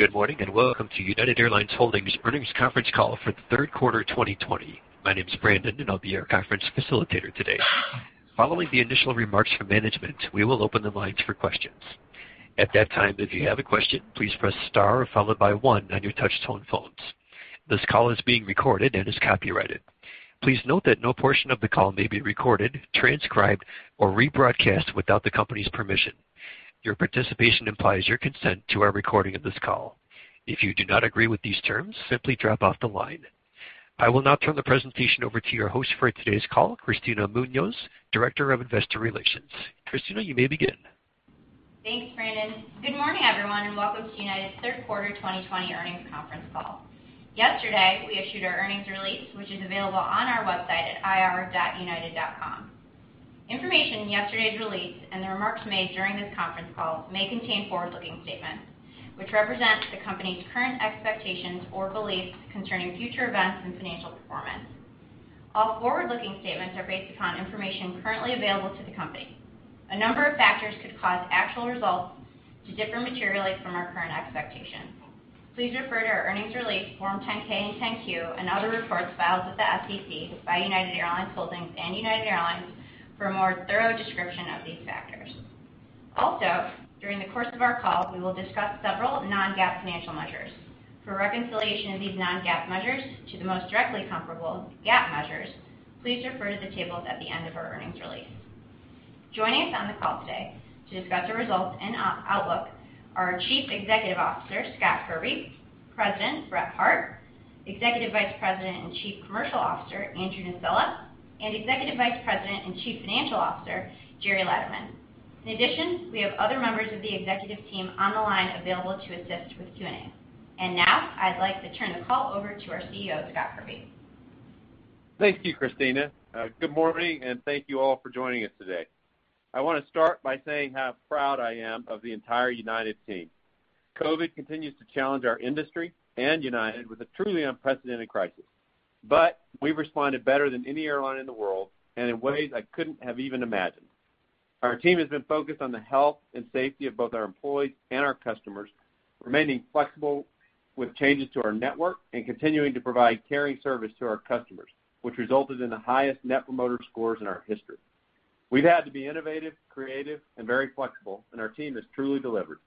Good morning, and welcome to United Airlines Holdings' earnings conference call for the third quarter of 2020. My name is Brandon, and I'll be your conference facilitator today. Following the initial remarks from management, we will open the lines for questions. At that time, if you have a question, please press star followed by one on your touch-tone phone. This call is being recorded and is copyrighted. Please note that no portion of the call may be recorded, transcribed, or rebroadcast without the company's permission. Your participation implies your consent to our recording of this call. If you do not agree with these terms, simply drop off the line. I will now turn the presentation over to your host for today's call. Kristina Munoz, Director of Investor Relations. Kristina, you may begin. Thanks, Brandon. Good morning, everyone, and welcome to United's third quarter 2020 earnings conference call. Yesterday, we issued our earnings release, which is available on our website at ir.united.com. Information in yesterday's release and the remarks made during this conference call may contain forward-looking statements, which represent the company's current expectations or beliefs concerning future events and financial performance. All forward-looking statements are based upon information currently available to the company. A number of factors could cause actual results to differ materially from our current expectations. Please refer to our earnings release, Form 10-K and 10-Q, and other reports filed with the SEC by United Airlines Holdings and United Airlines for a more thorough description of these factors. During the course of our call, we will discuss several non-GAAP financial measures. For reconciliation of these non-GAAP measures to the most directly comparable GAAP measures, please refer to the tables at the end of our earnings release. Joining us on the call today to discuss the results and outlook are our Chief Executive Officer, Scott Kirby; President, Brett Hart; Executive Vice President and Chief Commercial Officer, Andrew Nocella; and Executive Vice President and Chief Financial Officer, Gerry Laderman. In addition, we have other members of the executive team on the line available to assist with Q&A. Now, I'd like to turn the call over to our CEO, Scott Kirby. Thank you, Kristina. Good morning, and thank you all for joining us today. I want to start by saying how proud I am of the entire United team. COVID continues to challenge our industry and United with a truly unprecedented crisis. We've responded better than any airline in the world and in ways I couldn't have even imagined. Our team has been focused on the health and safety of both our employees and our customers, remaining flexible with changes to our network and continuing to provide caring service to our customers, which resulted in the highest Net Promoter Scores in our history. We've had to be innovative, creative, and very flexible. Our team has truly delivered.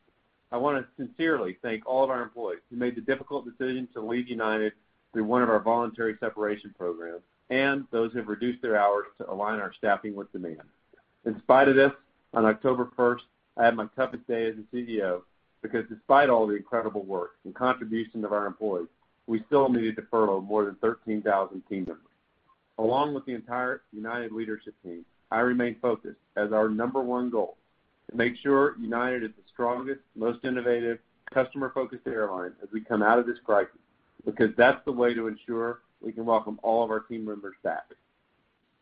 I want to sincerely thank all of our employees who made the difficult decision to leave United through one of our voluntary separation programs and those who've reduced their hours to align our staffing with demand. In spite of this, on October first, I had my toughest day as a CEO because despite all the incredible work and contribution of our employees, we still needed to furlough more than 13,000 team members. Along with the entire United leadership team, I remain focused as our number one goal to make sure United is the strongest, most innovative, customer-focused airline as we come out of this crisis because that's the way to ensure we can welcome all of our team members back.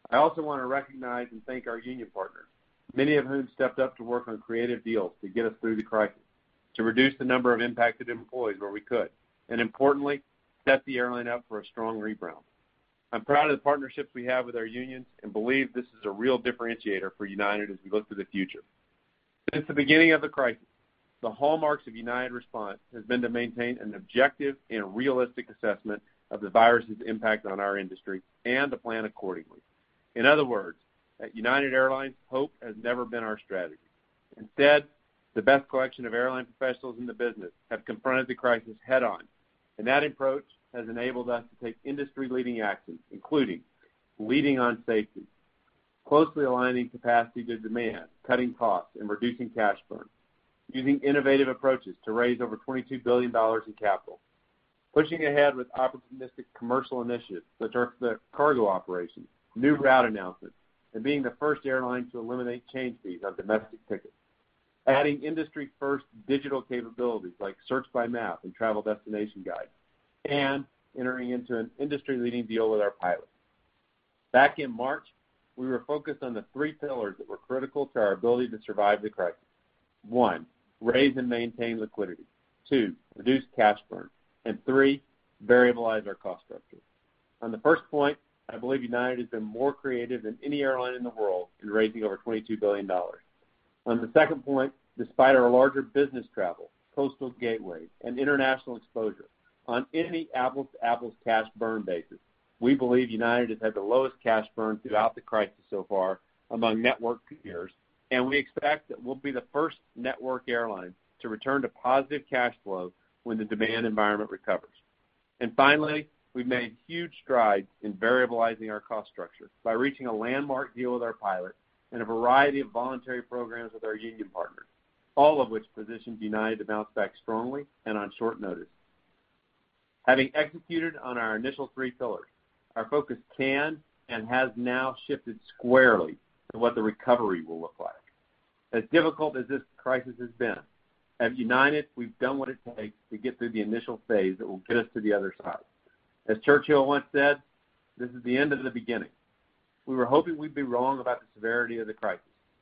I also want to recognize and thank our union partners, many of whom stepped up to work on creative deals to get us through the crisis, to reduce the number of impacted employees where we could, and, importantly, to set the airline up for a strong rebound. I'm proud of the partnerships we have with our unions and believe this is a real differentiator for United as we look to the future. Since the beginning of the crisis, the hallmarks of United's response have been to maintain an objective and realistic assessment of the virus's impact on our industry and to plan accordingly. In other words, at United Airlines, hope has never been our strategy. Instead, the best collection of airline professionals in the business has confronted the crisis head on. That approach has enabled us to take industry-leading actions, including leading on safety; closely aligning capacity to demand; cutting costs; reducing cash burn; using innovative approaches to raise over $22 billion in capital; pushing ahead with opportunistic commercial initiatives such as the cargo operations and new route announcements; being the first airline to eliminate change fees on domestic tickets; adding industry-first digital capabilities like search by map and travel destination guides; and entering into an industry-leading deal with our pilots. Back in March, we were focused on the three pillars that were critical to our ability to survive the crisis. One, raise and maintain liquidity. Two, reduce cash burn, and three, variabilize our cost structure. On the first point, I believe United has been more creative than any airline in the world in raising over $22 billion. On the second point, despite our larger business travel, coastal gateway, and international exposure, on any apples-to-apples cash burn basis, we believe United has had the lowest cash burn throughout the crisis so far among network peers, and we expect that we'll be the first network airline to return to positive cash flow when the demand environment recovers. Finally, we've made huge strides in making our cost structure variable by reaching a landmark deal with our pilots and a variety of voluntary programs with our union partners, all of which position United to bounce back strongly and on short notice. Having executed on our initial three pillars, our focus can and has now shifted squarely to what the recovery will look like. As difficult as this crisis has been, at United, we've done what it takes to get through the initial phase that will get us to the other side. As Churchill once said, This is the end of the beginning. We were hoping we'd be wrong about the severity of the crisis,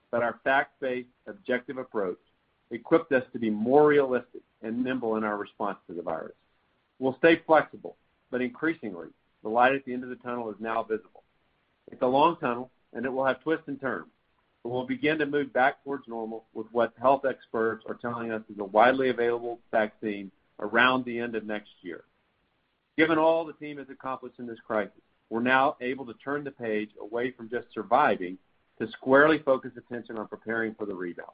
but our fact-based, objective approach equipped us to be more realistic and nimble in our response to the virus. We'll stay flexible, but increasingly, the light at the end of the tunnel is now visible. It's a long tunnel, and it will have twists and turns, but we'll begin to move back towards normal with what health experts are telling us is a widely available vaccine around the end of next year. Given all the team has accomplished in this crisis, we're now able to turn the page away from just surviving to squarely focus attention on preparing for the rebound.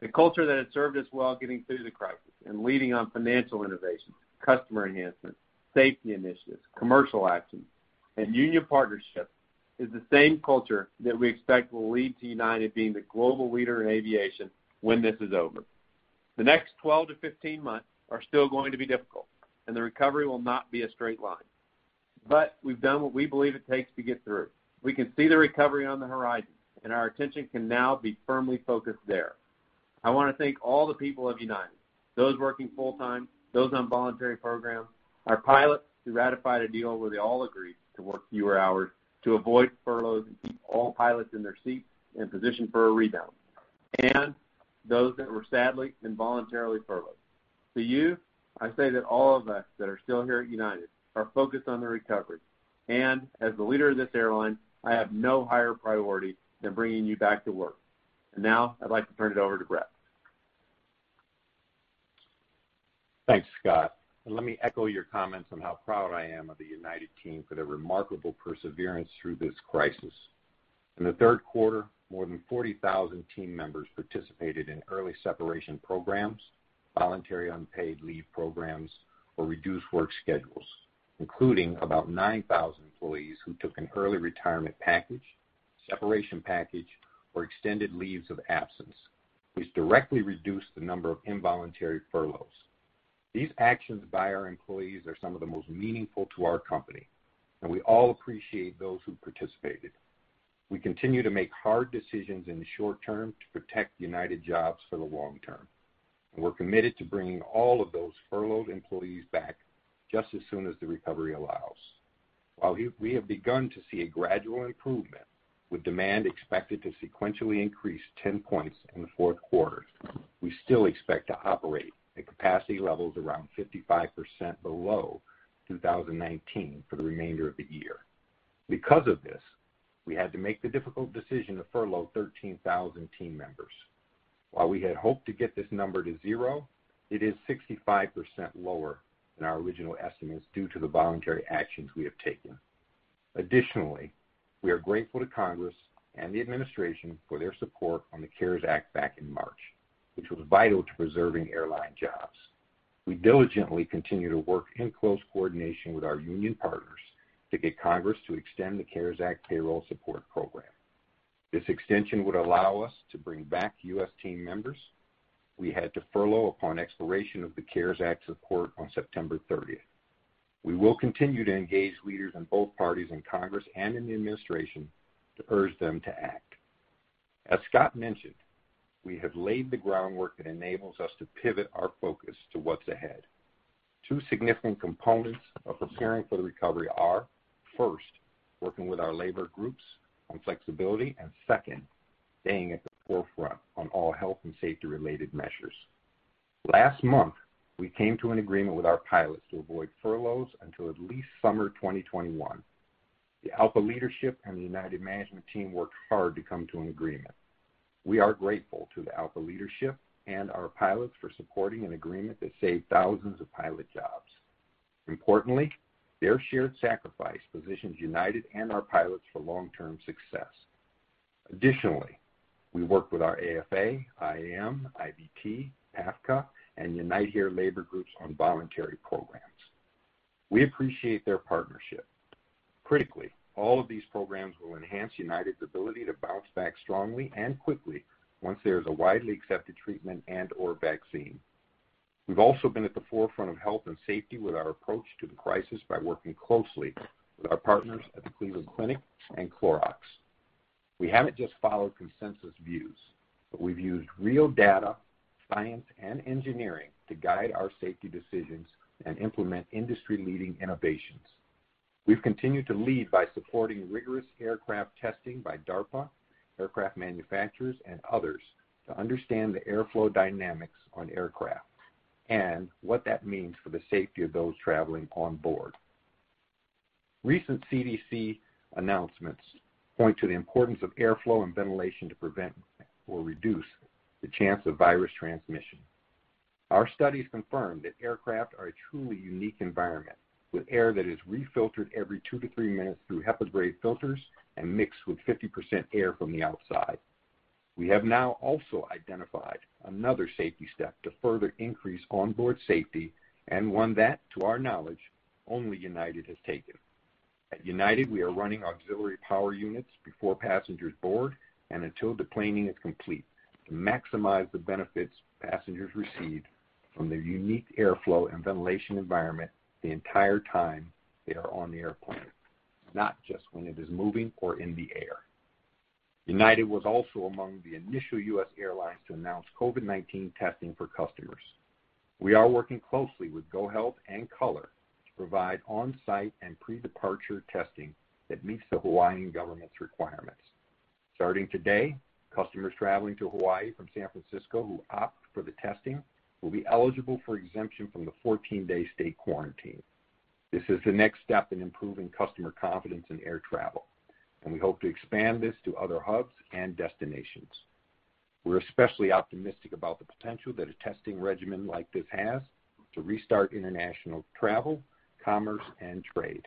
The culture that has served us well getting through the crisis and leading on financial innovation, customer enhancement, safety initiatives, commercial actions, and union partnership is the same culture that we expect will lead to United being the global leader in aviation when this is over. The next 12-15 months are still going to be difficult, and the recovery will not be a straight line. We've done what we believe it takes to get through. We can see the recovery on the horizon, and our attention can now be firmly focused there. I want to thank all the people of United, those working full time, those on voluntary programs, and our pilots who ratified a deal where they all agreed to work fewer hours to avoid furloughs and keep all pilots in their seats and positioned for a rebound. Those that were sadly involuntarily furloughed. To you, I say that all of us that are still here at United are focused on the recovery. As the leader of this airline, I have no higher priority than bringing you back to work. Now I'd like to turn it over to Brett. Thanks, Scott. Let me echo your comments on how proud I am of the United team for their remarkable perseverance through this crisis. In the third quarter, more than 40,000 team members participated in early separation programs, voluntary unpaid leave programs, or reduced work schedules, including about 9,000 employees who took an early retirement package, separation package, or extended leaves of absence, which directly reduced the number of involuntary furloughs. These actions by our employees are some of the most meaningful to our company. We all appreciate those who participated. We continue to make hard decisions in the short term to protect United jobs for the long term. We're committed to bringing all of those furloughed employees back just as soon as the recovery allows. While we have begun to see a gradual improvement with demand expected to sequentially increase 10 points in the fourth quarter, we still expect to operate at capacity levels around 55% below 2019 for the remainder of the year. Because of this, we had to make the difficult decision to furlough 13,000 team members. While we had hoped to get this number to zero, it is 65% lower than our original estimates due to the voluntary actions we have taken. Additionally, we are grateful to Congress and the administration for their support on the CARES Act back in March, which was vital to preserving airline jobs. We diligently continue to work in close coordination with our union partners to get Congress to extend the CARES Act Payroll Support Program. This extension would allow us to bring back U.S. team members we had to furlough upon expiration of the CARES Act support on September 30th. We will continue to engage leaders in both parties in Congress and in the administration to urge them to act. As Scott mentioned, we have laid the groundwork that enables us to pivot our focus to what's ahead. Two significant components of preparing for the recovery are, first, working with our labor groups on flexibility, and second, staying at the forefront on all health and safety-related measures. Last month, we came to an agreement with our pilots to avoid furloughs until at least summer 2021. The ALPA leadership and the United management team worked hard to come to an agreement. We are grateful to the ALPA leadership and our pilots for supporting an agreement that saved thousands of pilot jobs. Importantly, their shared sacrifice positions United and our pilots for long-term success. Additionally, we worked with our AFA, IAM, IBT, APFA, and UNITE HERE labor groups on voluntary programs. We appreciate their partnership. Critically, all of these programs will enhance United's ability to bounce back strongly and quickly once there is a widely accepted treatment and/or vaccine. We've also been at the forefront of health and safety with our approach to the crisis by working closely with our partners at the Cleveland Clinic and Clorox. We haven't just followed consensus views, but we've used real data, science, and engineering to guide our safety decisions and implement industry-leading innovations. We've continued to lead by supporting rigorous aircraft testing by DARPA, aircraft manufacturers, and others to understand the airflow dynamics on aircraft and what that means for the safety of those traveling on board. Recent CDC announcements point to the importance of airflow and ventilation to prevent or reduce the chance of virus transmission. Our studies confirm that aircraft are a truly unique environment, with air that is refiltered every two to three minutes through HEPA-grade filters and mixed with 50% air from the outside. We have now also identified another safety step to further increase onboard safety and one that, to our knowledge, only United has taken. At United, we are running auxiliary power units before passengers board and until deplaning is complete to maximize the benefits passengers receive from the unique airflow and ventilation environment the entire time they are on the airplane, not just when it is moving or in the air. United was also among the initial U.S. airlines to announce COVID-19 testing for customers. We are working closely with GoHealth and Color to provide on-site and pre-departure testing that meets the Hawaiian government's requirements. Starting today, customers traveling to Hawaii from San Francisco who opt for the testing will be eligible for exemption from the 14-day state quarantine. This is the next step in improving customer confidence in air travel, and we hope to expand this to other hubs and destinations. We're especially optimistic about the potential that a testing regimen like this has to restart international travel, commerce, and trade.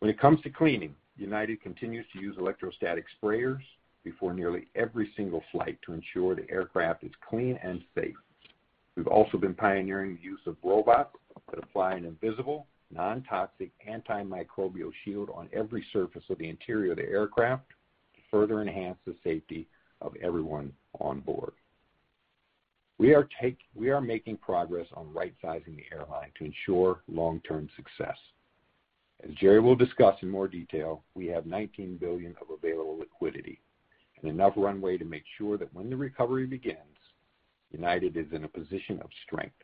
When it comes to cleaning, United continues to use electrostatic sprayers before nearly every single flight to ensure the aircraft is clean and safe. We've also been pioneering the use of robots that apply an invisible, non-toxic, antimicrobial shield on every surface of the interior of the aircraft to further enhance the safety of everyone onboard. We are making progress on right-sizing the airline to ensure long-term success. As Gerry will discuss in more detail, we have $19 billion of available liquidity and enough runway to make sure that when the recovery begins, United is in a position of strength.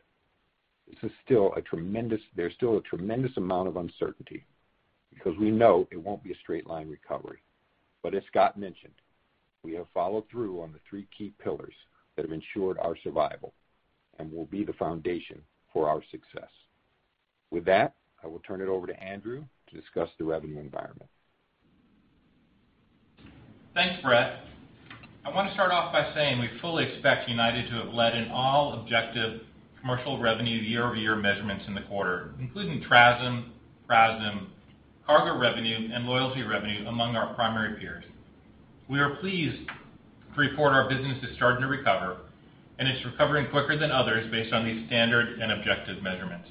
There is still a tremendous amount of uncertainty because we know it won't be a straight-line recovery. As Scott mentioned, we have followed through on the three key pillars that have ensured our survival and will be the foundation for our success. With that, I will turn it over to Andrew to discuss the revenue environment. Thanks, Brett. I want to start off by saying we fully expect United to have led in all objective commercial revenue year-on-year measurements in the quarter, including TRASM, PRASM, cargo revenue, and loyalty revenue among our primary peers. We are pleased to report our business is starting to recover, and it's recovering quicker than others based on these standard and objective measurements.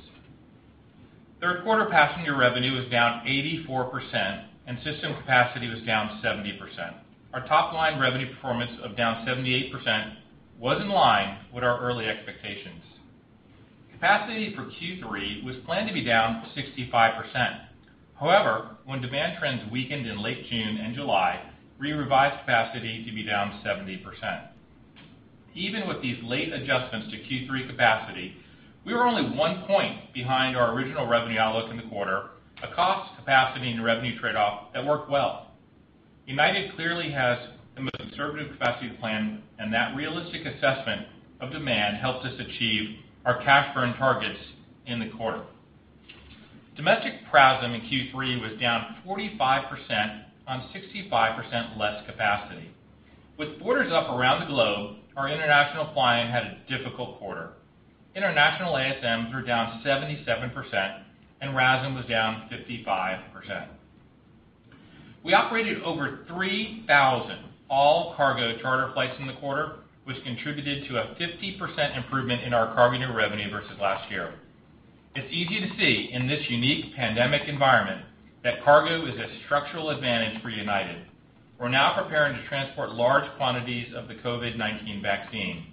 Third quarter passenger revenue was down 84%, and system capacity was down 70%. Our top-line revenue performance of down 78% was in line with our early expectations. Capacity for Q3 was planned to be down 65%. However, when demand trends weakened in late June and July, we revised capacity to be down 70%. Even with these late adjustments to Q3 capacity, we were only one point behind our original revenue outlook in the quarter, a cost, capacity, and revenue trade-off that worked well. United clearly has the most conservative capacity plan, and that realistic assessment of demand helped us achieve our cash burn targets in the quarter. Domestic PRASM in Q3 was down 45% on 65% less capacity. With borders up around the globe, our international flying had a difficult quarter. International ASM were down 77%, and RASM was down 55%. We operated over 3,000 all-cargo charter flights in the quarter, which contributed to a 50% improvement in our cargo revenue versus last year. It's easy to see in this unique pandemic environment that cargo is a structural advantage for United. We're now preparing to transport large quantities of the COVID-19 vaccine.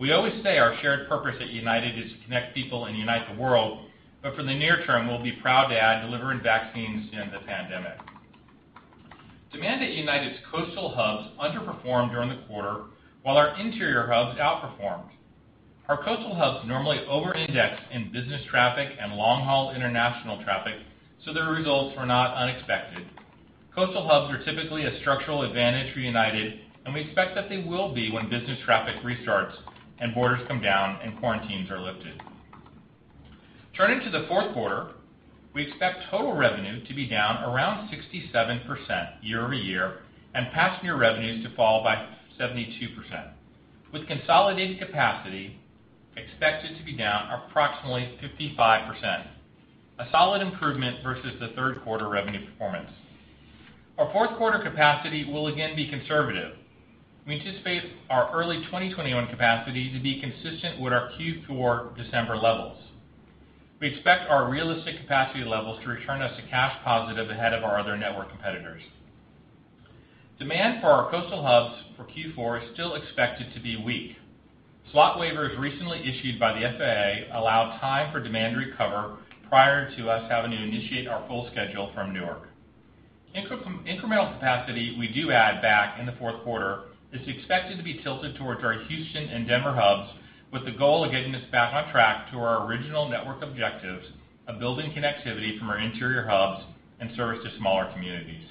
We always say our shared purpose at United is to connect people and unite the world, but for the near term, we'll be proud to add delivering vaccines to end the pandemic. Demand at United's coastal hubs underperformed during the quarter while our interior hubs outperformed. Our coastal hubs normally over-index in business traffic and long-haul international traffic; the results were not unexpected. Coastal hubs are typically a structural advantage for United, we expect that they will be when business traffic restarts and borders come down and quarantines are lifted. Turning to the fourth quarter, we expect total revenue to be down around 67% year-over-year and passenger revenues to fall by 72%, with consolidated capacity expected to be down approximately 55%, a solid improvement versus the third quarter revenue performance. Our fourth quarter capacity will again be conservative. We anticipate our early 2021 capacity to be consistent with our Q4 December levels. We expect our realistic capacity levels to return us to cash positive ahead of our other network competitors. Demand for our coastal hubs for Q4 is still expected to be weak. Slot waivers recently issued by the FAA allow time for demand to recover prior to us having to initiate our full schedule from Newark. Incremental capacity we do add back in the fourth quarter is expected to be tilted towards our Houston and Denver hubs, with the goal of getting us back on track to our original network objectives of building connectivity from our interior hubs and service to smaller communities.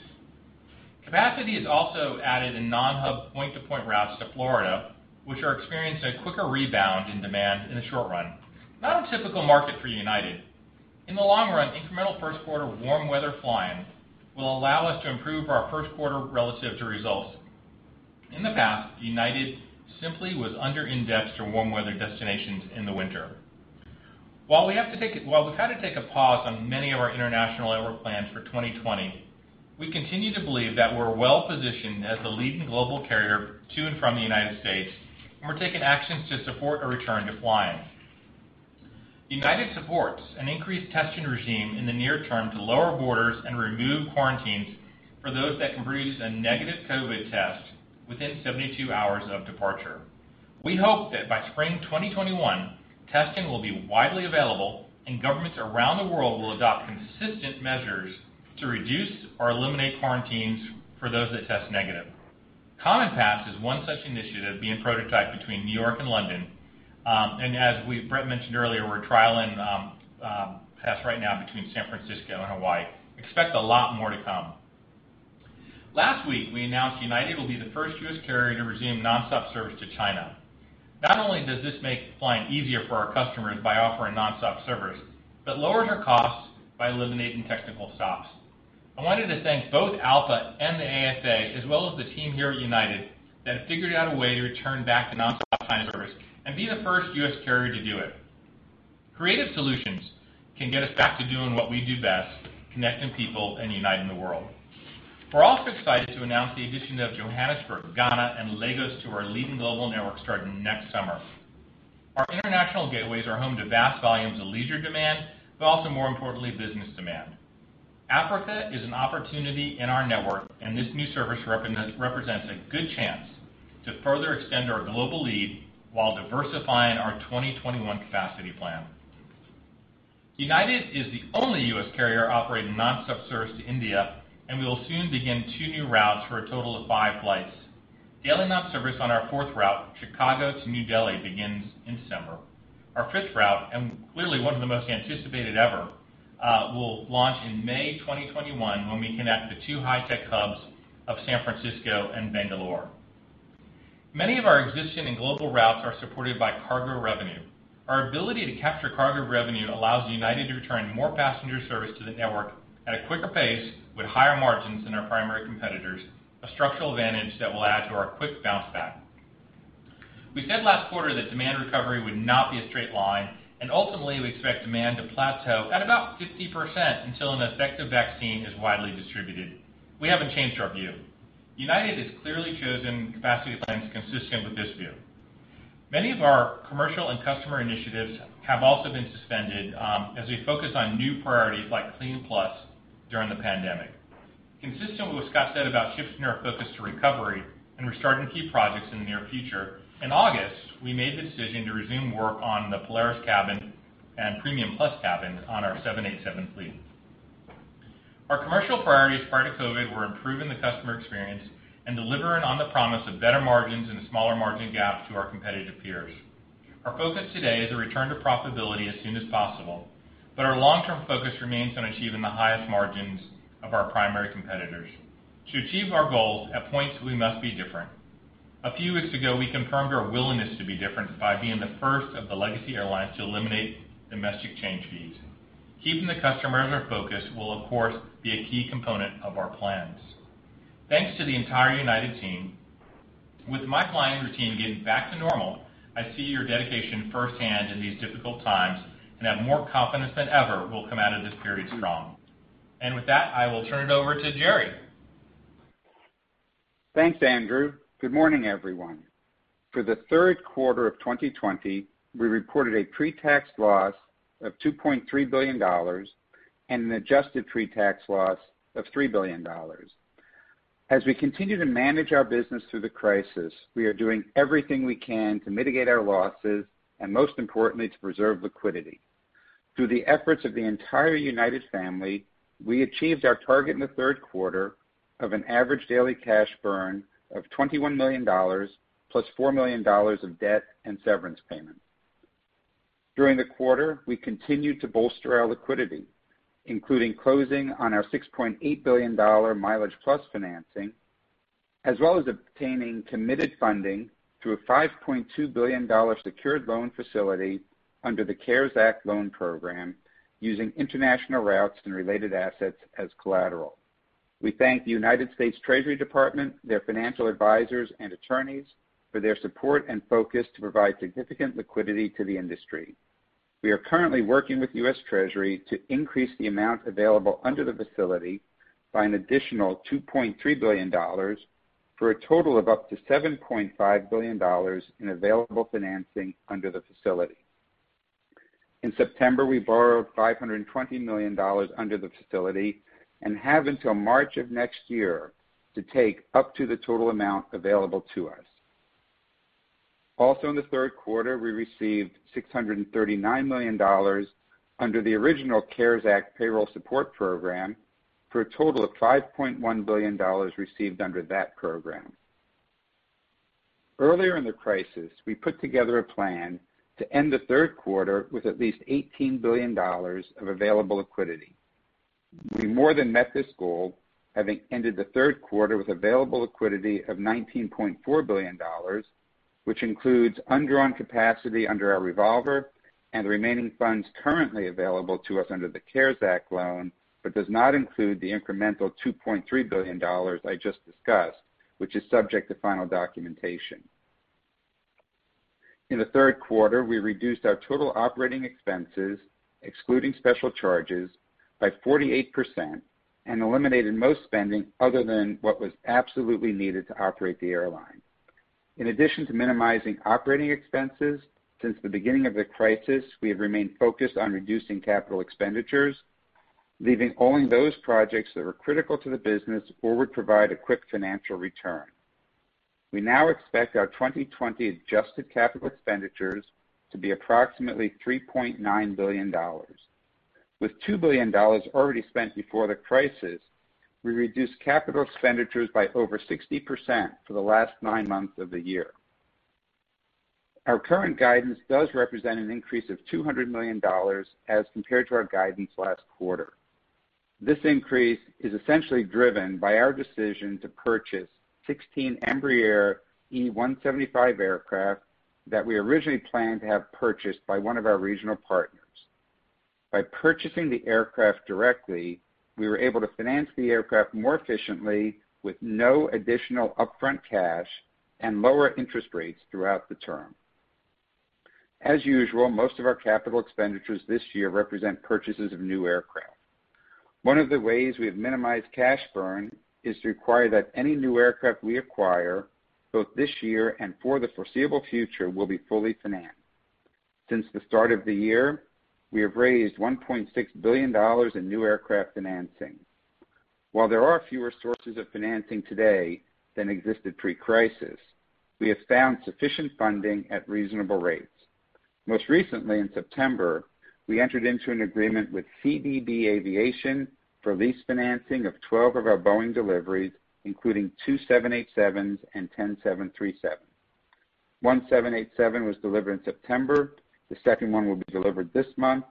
Capacity is also added in non-hub point-to-point routes to Florida, which are experiencing a quicker rebound in demand in the short run, not a typical market for United. In the long run, incremental first-quarter warm-weather flying will allow us to improve our first quarter relative to results. In the past, United simply was under-indexed for warm-weather destinations in the winter. While we've had to take a pause on many of our international network plans for 2020, we continue to believe that we're well-positioned as the leading global carrier to and from the United States, and we're taking actions to support a return to flying. United supports an increased testing regime in the near term to lower borders and remove quarantines for those that can produce a negative COVID test within 72 hours of departure. We hope that by spring 2021, testing will be widely available and governments around the world will adopt consistent measures to reduce or eliminate quarantines for those that test negative. CommonPass is one such initiative being prototyped between New York and London. As Brett mentioned earlier, we're trialing paths right now between San Francisco and Hawaii. Expect a lot more to come. Last week, we announced United will be the first U.S. carrier to resume nonstop service to China. Not only does this make flying easier for our customers by offering nonstop service, but it also lowers our costs by eliminating technical stops. I wanted to thank both ALPA and the ASA, as well as the team here at United, that figured out a way to return to nonstop China service and be the first U.S. carrier to do so. Creative solutions can get us back to doing what we do best, connecting people and uniting the world. We're also excited to announce the addition of Johannesburg, Ghana, and Lagos to our leading global network starting next summer. Our international gateways are home to vast volumes of leisure demand, but also, more importantly, business demand. Africa is an opportunity in our network; this new service represents a good chance to further extend our global lead while diversifying our 2021 capacity plan. United is the only U.S. carrier operating nonstop service to India; we will soon begin two new routes for a total of five flights. Daily nonstop service on our fourth route, Chicago to New Delhi, begins in December. Our fifth route, and clearly one of the most anticipated ever, will launch in May 2021 when we connect the two high-tech hubs of San Francisco and Bangalore. Many of our existing and global routes are supported by cargo revenue. Our ability to capture cargo revenue allows United to return more passenger service to the network at a quicker pace with higher margins than our primary competitors, a structural advantage that will add to our quick bounce back. We said last quarter that demand recovery would not be a straight line. Ultimately, we expect demand to plateau at about 50% until an effective vaccine is widely distributed. We haven't changed our view. United has clearly chosen capacity plans consistent with this view. Many of our commercial and customer initiatives have also been suspended as we focus on new priorities like CleanPlus during the pandemic. Consistent with what Scott said about shifting our focus to recovery and restarting key projects in the near future, in August, we made the decision to resume work on the Polaris cabin and Premium Plus cabin on our 787 fleet. Our commercial priorities prior to COVID were improving the customer experience and delivering on the promise of better margins and a smaller margin gap to our competitive peers. Our focus today is a return to profitability as soon as possible, but our long-term focus remains on achieving the highest margins of our primary competitors. To achieve our goals, at points, we must be different. A few weeks ago, we confirmed our willingness to be different by being the first of the legacy airlines to eliminate domestic change fees. Keeping the customer in our focus will, of course, be a key component of our plans. Thanks to the entire United team. With my flying routine getting back to normal, I see your dedication firsthand in these difficult times and have more confidence than ever that we'll come out of this period strong. With that, I will turn it over to Gerry. Thanks, Andrew. Good morning, everyone. For the third quarter of 2020, we reported a pre-tax loss of $2.3 billion and an adjusted pre-tax loss of $3 billion. As we continue to manage our business through the crisis, we are doing everything we can to mitigate our losses and, most importantly, to preserve liquidity. Through the efforts of the entire United family, we achieved our target in the third quarter of an average daily cash burn of $21 million plus $4 million in debt and severance payments. During the quarter, we continued to bolster our liquidity, including closing on our $6.8 billion MileagePlus financing, as well as obtaining committed funding through a $5.2 billion secured loan facility under the CARES Act loan program using international routes and related assets as collateral. We thank the United States Treasury Department, their financial advisors, and attorneys for their support and focus on providing significant liquidity to the industry. We are currently working with US Treasury to increase the amount available under the facility by an additional $2.3 billion, for a total of up to $7.5 billion in available financing under the facility. In September, we borrowed $520 million under the facility and have until March of next year to take up to the total amount available to us. Also in the third quarter, we received $639 million under the original CARES Act Payroll Support Program for a total of $5.1 billion received under that program. Earlier in the crisis, we put together a plan to end the third quarter with at least $18 billion of available liquidity. We more than met this goal, having ended the third quarter with available liquidity of $19.4 billion, which includes undrawn capacity under our revolver and the remaining funds currently available to us under the CARES Act loan, but does not include the incremental $2.3 billion. I just discussed, which is subject to final documentation. In the third quarter, we reduced our total operating expenses, excluding special charges, by 48% and eliminated most spending other than what was absolutely needed to operate the airline. In addition to minimizing operating expenses, since the beginning of the crisis, we have remained focused on reducing capital expenditures, leaving only those projects that were critical to the business or would provide a quick financial return. We now expect our 2020 adjusted capital expenditures to be approximately $3.9 billion. With $2 billion already spent before the crisis, we reduced capital expenditures by over 60% for the last nine months of the year. Our current guidance does represent an increase of $200 million as compared to our guidance last quarter. This increase is essentially driven by our decision to purchase 16 Embraer E175 aircraft that we originally planned to have purchased by one of our regional partners. By purchasing the aircraft directly, we were able to finance the aircraft more efficiently with no additional upfront cash and lower interest rates throughout the term. As usual, most of our capital expenditures this year represent purchases of new aircraft. One of the ways we have minimized cash burn is to require that any new aircraft we acquire, both this year and for the foreseeable future, will be fully financed. Since the start of the year, we have raised $1.6 billion in new aircraft financing. While there are fewer sources of financing today than existed pre-crisis, we have found sufficient funding at reasonable rates. Most recently in September, we entered into an agreement with CDB Aviation for lease financing of 12 of our Boeing deliveries, including two 787s and ten 737s. One 787 was delivered in September, the second one will be delivered this month,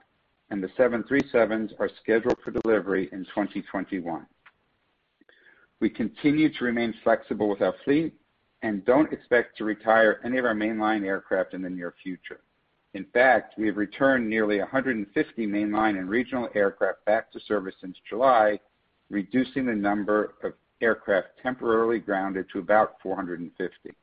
and the 737s are scheduled for delivery in 2021. We continue to remain flexible with our fleet and don't expect to retire any of our mainline aircraft in the near future. In fact, we have returned nearly 150 mainline and regional aircraft back to service since July, reducing the number of aircraft temporarily grounded to about 450.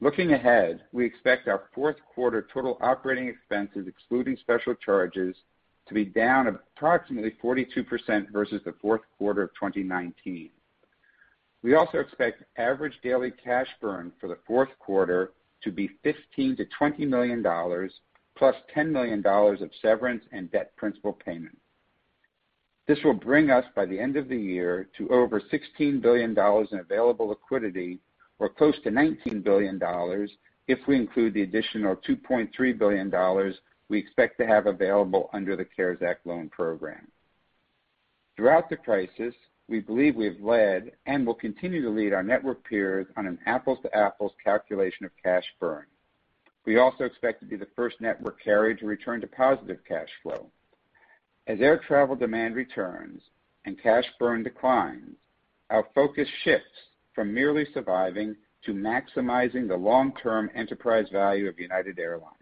Looking ahead, we expect our fourth quarter total operating expenses, excluding special charges, to be down approximately 42% versus the fourth quarter of 2019. We also expect the average daily cash burn for the fourth quarter to be $15 million-$20 million, plus $10 million of severance and debt principal payment. This will bring us by the end of the year to over $16 billion in available liquidity or close to $19 billion if we include the additional $2.3 billion we expect to have available under the CARES Act loan program. Throughout the crisis, we believe we have led and will continue to lead our network peers on an apples-to-apples calculation of cash burn. We also expect to be the first network carrier to return to positive cash flow. As air travel demand returns and cash burn declines, our focus shifts from merely surviving to maximizing the long-term enterprise value of United Airlines.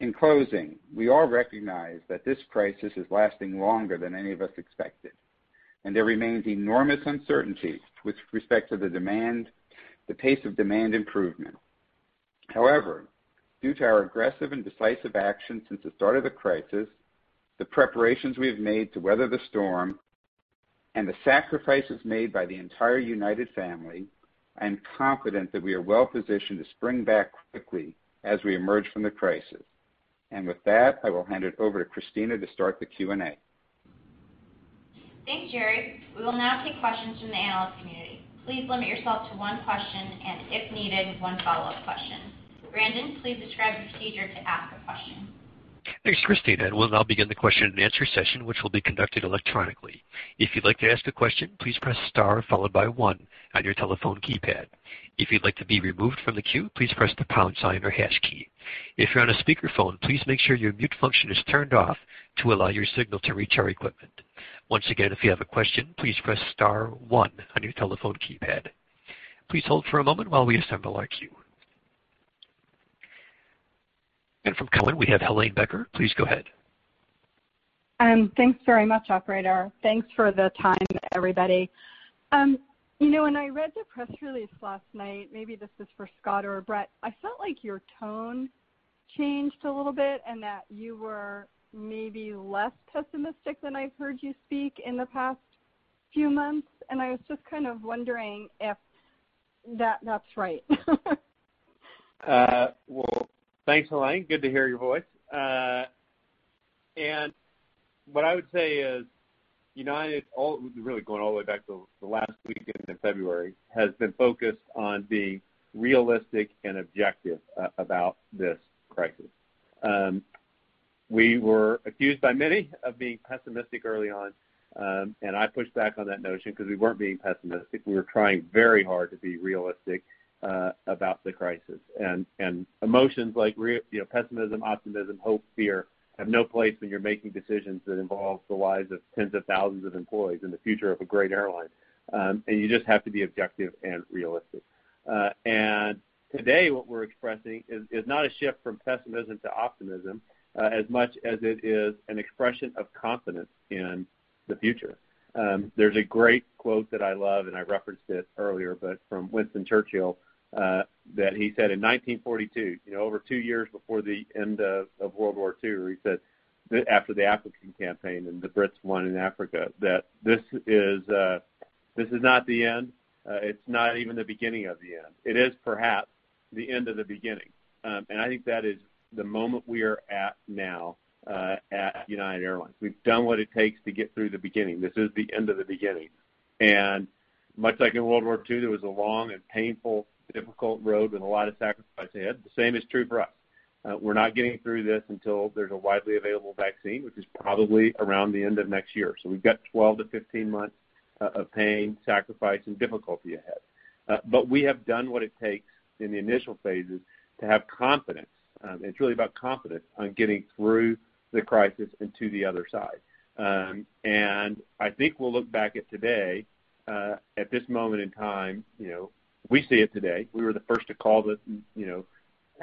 In closing, we all recognize that this crisis is lasting longer than any of us expected, and there remains enormous uncertainty with respect to the pace of demand improvement. However, due to our aggressive and decisive action since the start of the crisis, the preparations we have made to weather the storm, and the sacrifices made by the entire United family, I am confident that we are well-positioned to spring back quickly as we emerge from the crisis. With that, I will hand it over to Kristina to start the Q&A. Thanks, Gerry. We will now take questions from the analyst community. Please limit yourself to one question and, if needed, one follow-up question. Brandon, please describe the procedure to ask a question. Thanks, Kristina. We'll now begin the question-and-answer session, which will be conducted electronically. If you'd like to ask a question, please press star followed by one on your telephone keypad. If you'd like to be removed from the queue, please press the pound sign or hash key. If you're on a speakerphone, please make sure your mute function is turned off to allow your signal to reach our equipment. Once again, if you have a question, please press star, one on your telephone keypad. Please hold for a moment while we assemble our queue. From Cowen, we have Helane Becker. Please go ahead. Thanks very much, operator. Thanks for the time, everybody. When I read the press release last night, maybe this is for Scott or Brett, I felt like your tone changed a little bit and that you were maybe less pessimistic than I've heard you speak in the past few months, and I was just kind of wondering if that's right. Well, thanks, Helane. Good to hear your voice. What I would say is United, really going all the way back to the last weekend in February, has been focused on being realistic and objective about this crisis. We were accused by many of being pessimistic early on, and I pushed back on that notion because we weren't being pessimistic. We were trying very hard to be realistic about the crisis, and emotions like pessimism, optimism, hope, and fear have no place when you're making decisions that involve the lives of tens of thousands of employees and the future of a great airline. You just have to be objective and realistic. Today what we're expressing is not a shift from pessimism to optimism, as much as it is an expression of confidence in the future. There's a great quote that I love, and I referenced it earlier, from Winston Churchill, that he said in 1942, over two years before the end of World War II, where he said, after the African campaign and the Brits won in Africa, that This is not the end. It's not even the beginning of the end. It is perhaps the end of the beginning. I think that is the moment we are at now at United Airlines. We've done what it takes to get through the beginning. This is the end of the beginning. Much like in World War II, there was a long and painful, difficult road with a lot of sacrifice ahead. The same is true for us. We're not getting through this until there's a widely available vaccine, which is probably around the end of next year. We've got 12 to 15 months of pain, sacrifice, and difficulty ahead. We have done what it takes in the initial phases to have confidence. It's really about confidence in getting through the crisis and to the other side. I think we'll look back at today; at this moment in time, we see it today. We were the first to call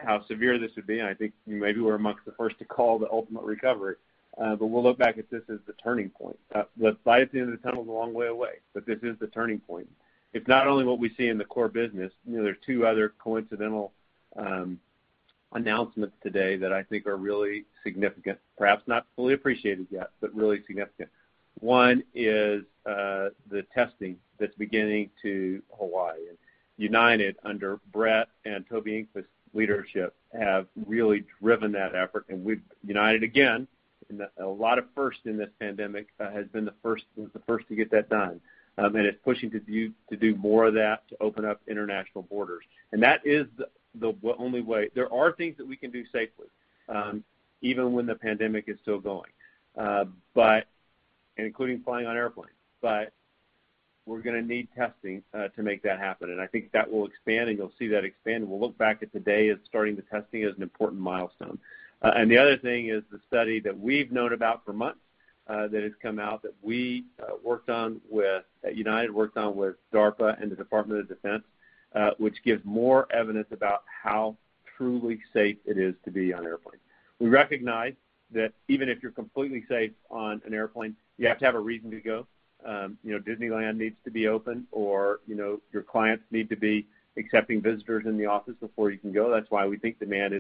how severe this would be; I think maybe we're amongst the first to call the ultimate recovery. We'll look back at this as the turning point. The light at the end of the tunnel is a long way away; this is the turning point. It's not only what we see in the core business. There are two other coincidental announcements today that I think are really significant, perhaps not fully appreciated yet, but really significant. One is the testing that's beginning in Hawaii; United, under Brett and Toby Enqvist's leadership, has really driven that effort. United, again, a lot of firsts in this pandemic, has been the first to get that done. It's pushing to do more of that to open up international borders. That is the only way. There are things that we can do safely, even when the pandemic is still going, including flying on airplanes. We're going to need testing to make that happen. I think that will expand, and you'll see that expand, and we'll look back at today as starting the testing as an important milestone. The other thing is the study that we've known about for months that has come out that we worked on with United, worked on with DARPA and the Department of Defense, which gives more evidence about how truly safe it is to be on airplanes. We recognize that even if you're completely safe on an airplane, you have to have a reason to go. Disneyland needs to be open, or your clients need to be accepting visitors in the office before you can go. That's why we think demand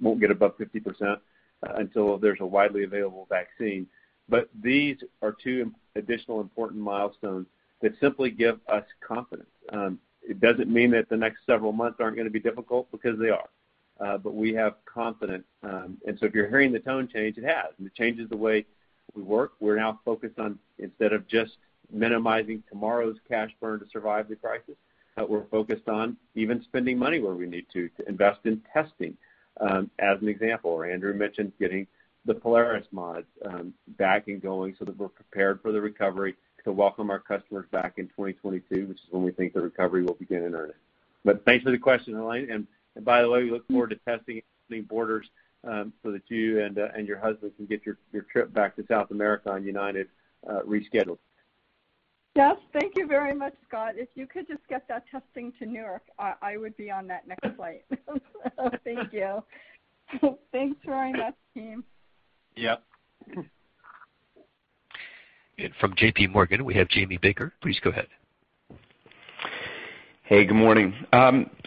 won't get above 50% until there's a widely available vaccine. These are two additional important milestones that simply give us confidence. It doesn't mean that the next several months aren't going to be difficult, because they are. We have confidence. If you're hearing the tone change, it has, and it changes the way we work. We're now focused on, instead of just minimizing tomorrow's cash burn to survive the crisis, even spending money where we need to invest in testing, as an example, or Andrew mentioned getting the Polaris mods back and going so that we're prepared for the recovery to welcome our customers back in 2022, which is when we think the recovery will begin in earnest. Thanks for the question, Helane. By the way, we look forward to testing opening borders so that you and your husband can get your trip back to South America on United rescheduled. Yes, thank you very much, Scott. If you could just get that testing to New York, I would be on that next flight. Thank you. Thanks very much, team. Yep. From J.P. Morgan, we have Jamie Baker. Please go ahead. Hey, good morning.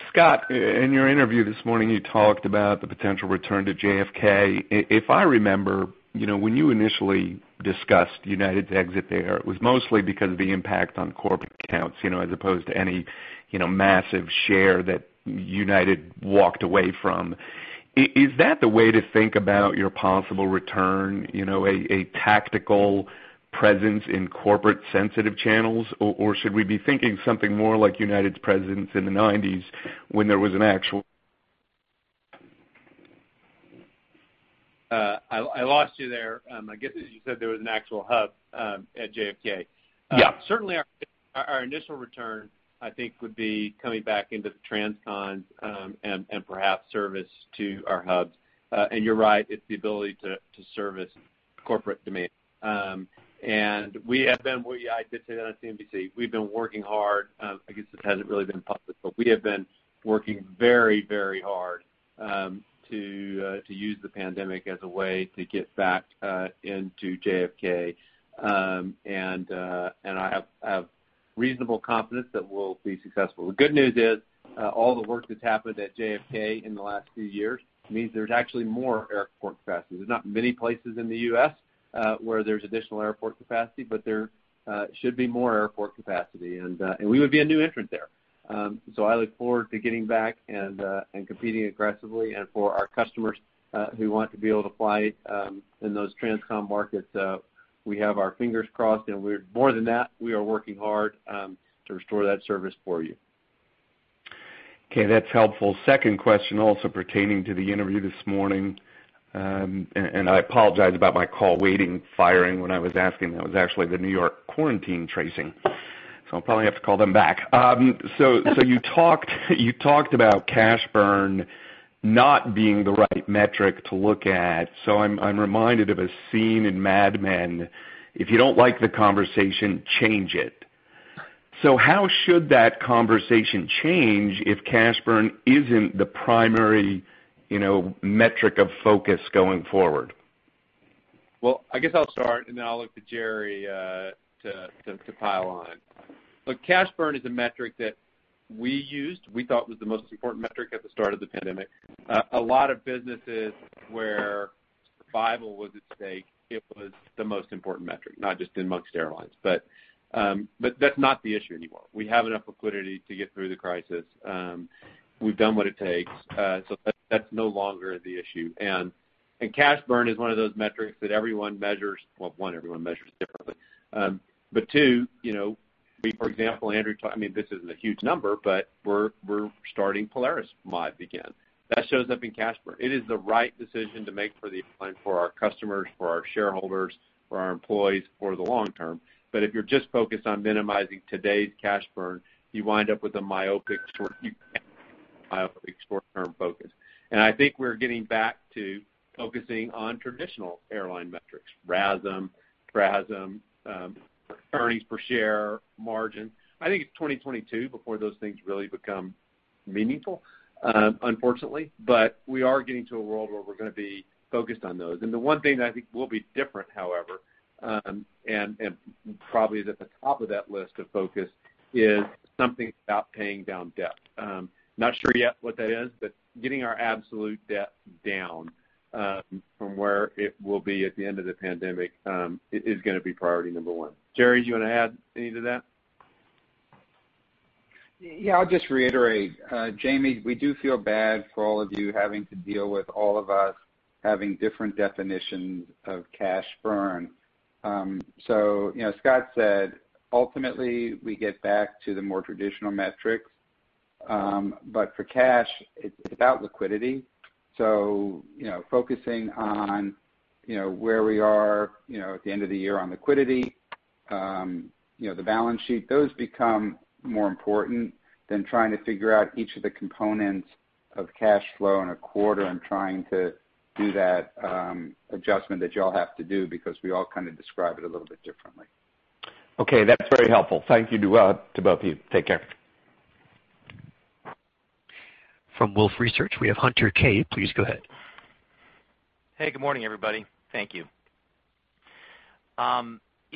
Scott, in your interview this morning, you talked about the potential return to JFK. If I remember, when you initially discussed United's exit there, it was mostly because of the impact on corporate accounts as opposed to any massive share that United walked away from. Is that the way to think about your possible return, a tactical presence in corporate-sensitive channels? Or should we be thinking something more like United's presence in the '90s when there was an actual? I lost you there. I guess that you said there was an actual hub at JFK. Yeah. Certainly, our initial return, I think, would be coming back into the transcons and perhaps service to our hubs. You're right, it's the ability to service corporate demand. We have been, well, yeah, I did say that on CNBC. We've been working hard. I guess this hasn't really been public, but we have been working very hard to use the pandemic as a way to get back into JFK. I have reasonable confidence that we'll be successful. The good news is all the work that's happened at JFK in the last few years means there's actually more airport capacity. There's not many places in the U.S. where there's additional airport capacity, but there should be more airport capacity, and we would be a new entrant there. I look forward to getting back and competing aggressively. For our customers who want to be able to fly in those transcon markets, we have our fingers crossed, and more than that, we are working hard to restore that service for you. Okay, that's helpful. The second question also pertains to the interview this morning. I apologize about my call waiting firing when I was asking that. It was actually the New York quarantine tracing. I'll probably have to call them back. You talked about cash burn not being the right metric to look at. I'm reminded of a scene in Mad Men: if you don't like the conversation, change it. How should that conversation change if cash burn isn't the primary metric of focus going forward? Well, I guess I'll start, and then I'll look to Gerry to pile on. Look, cash burn is a metric that we used and thought was the most important metric at the start of the pandemic. A lot of businesses where survival was at stake, it was the most important metric, not just amongst airlines. That's not the issue anymore. We have enough liquidity to get through the crisis. We've done what it takes. That's no longer the issue. Cash burn is one of those metrics that everyone measures, well, one, everyone measures differently. For example, Andrew, this isn't a huge number; we're starting the Polaris Mod again. That shows up in cash burn. It is the right decision to make for the airline, for our customers, for our shareholders, and for our employees for the long term. If you're just focused on minimizing today's cash burn, you wind up with a myopic short-term focus. I think we're getting back to focusing on traditional airline metrics: RASM, PRASM, earnings per share, and margin. I think it's 2022 before those things really become meaningful, unfortunately. We are getting to a world where we're going to be focused on those. The one thing that I think will be different, however, and probably is at the top of that list of focuses, is something about paying down debt. Not sure yet what that is, getting our absolute debt down from where it will be at the end of the pandemic is going to be priority number one. Gerry, do you want to add any to that? Yeah, I'll just reiterate. Jamie, we do feel bad for all of you having to deal with all of us having different definitions of cash burn. Scott said, Ultimately, we get back to the more traditional metrics. For cash, it's about liquidity. Focusing on where we are at the end of the year on liquidity and the balance sheet, those become more important than trying to figure out each of the components of cash flow in a quarter and trying to do that adjustment that you all have to do because we all kind of describe it a little bit differently. Okay, that's very helpful. Thank you to both of you. Take care. From Wolfe Research, we have Hunter Keay. Please go ahead. Hey, good morning, everybody. Thank you.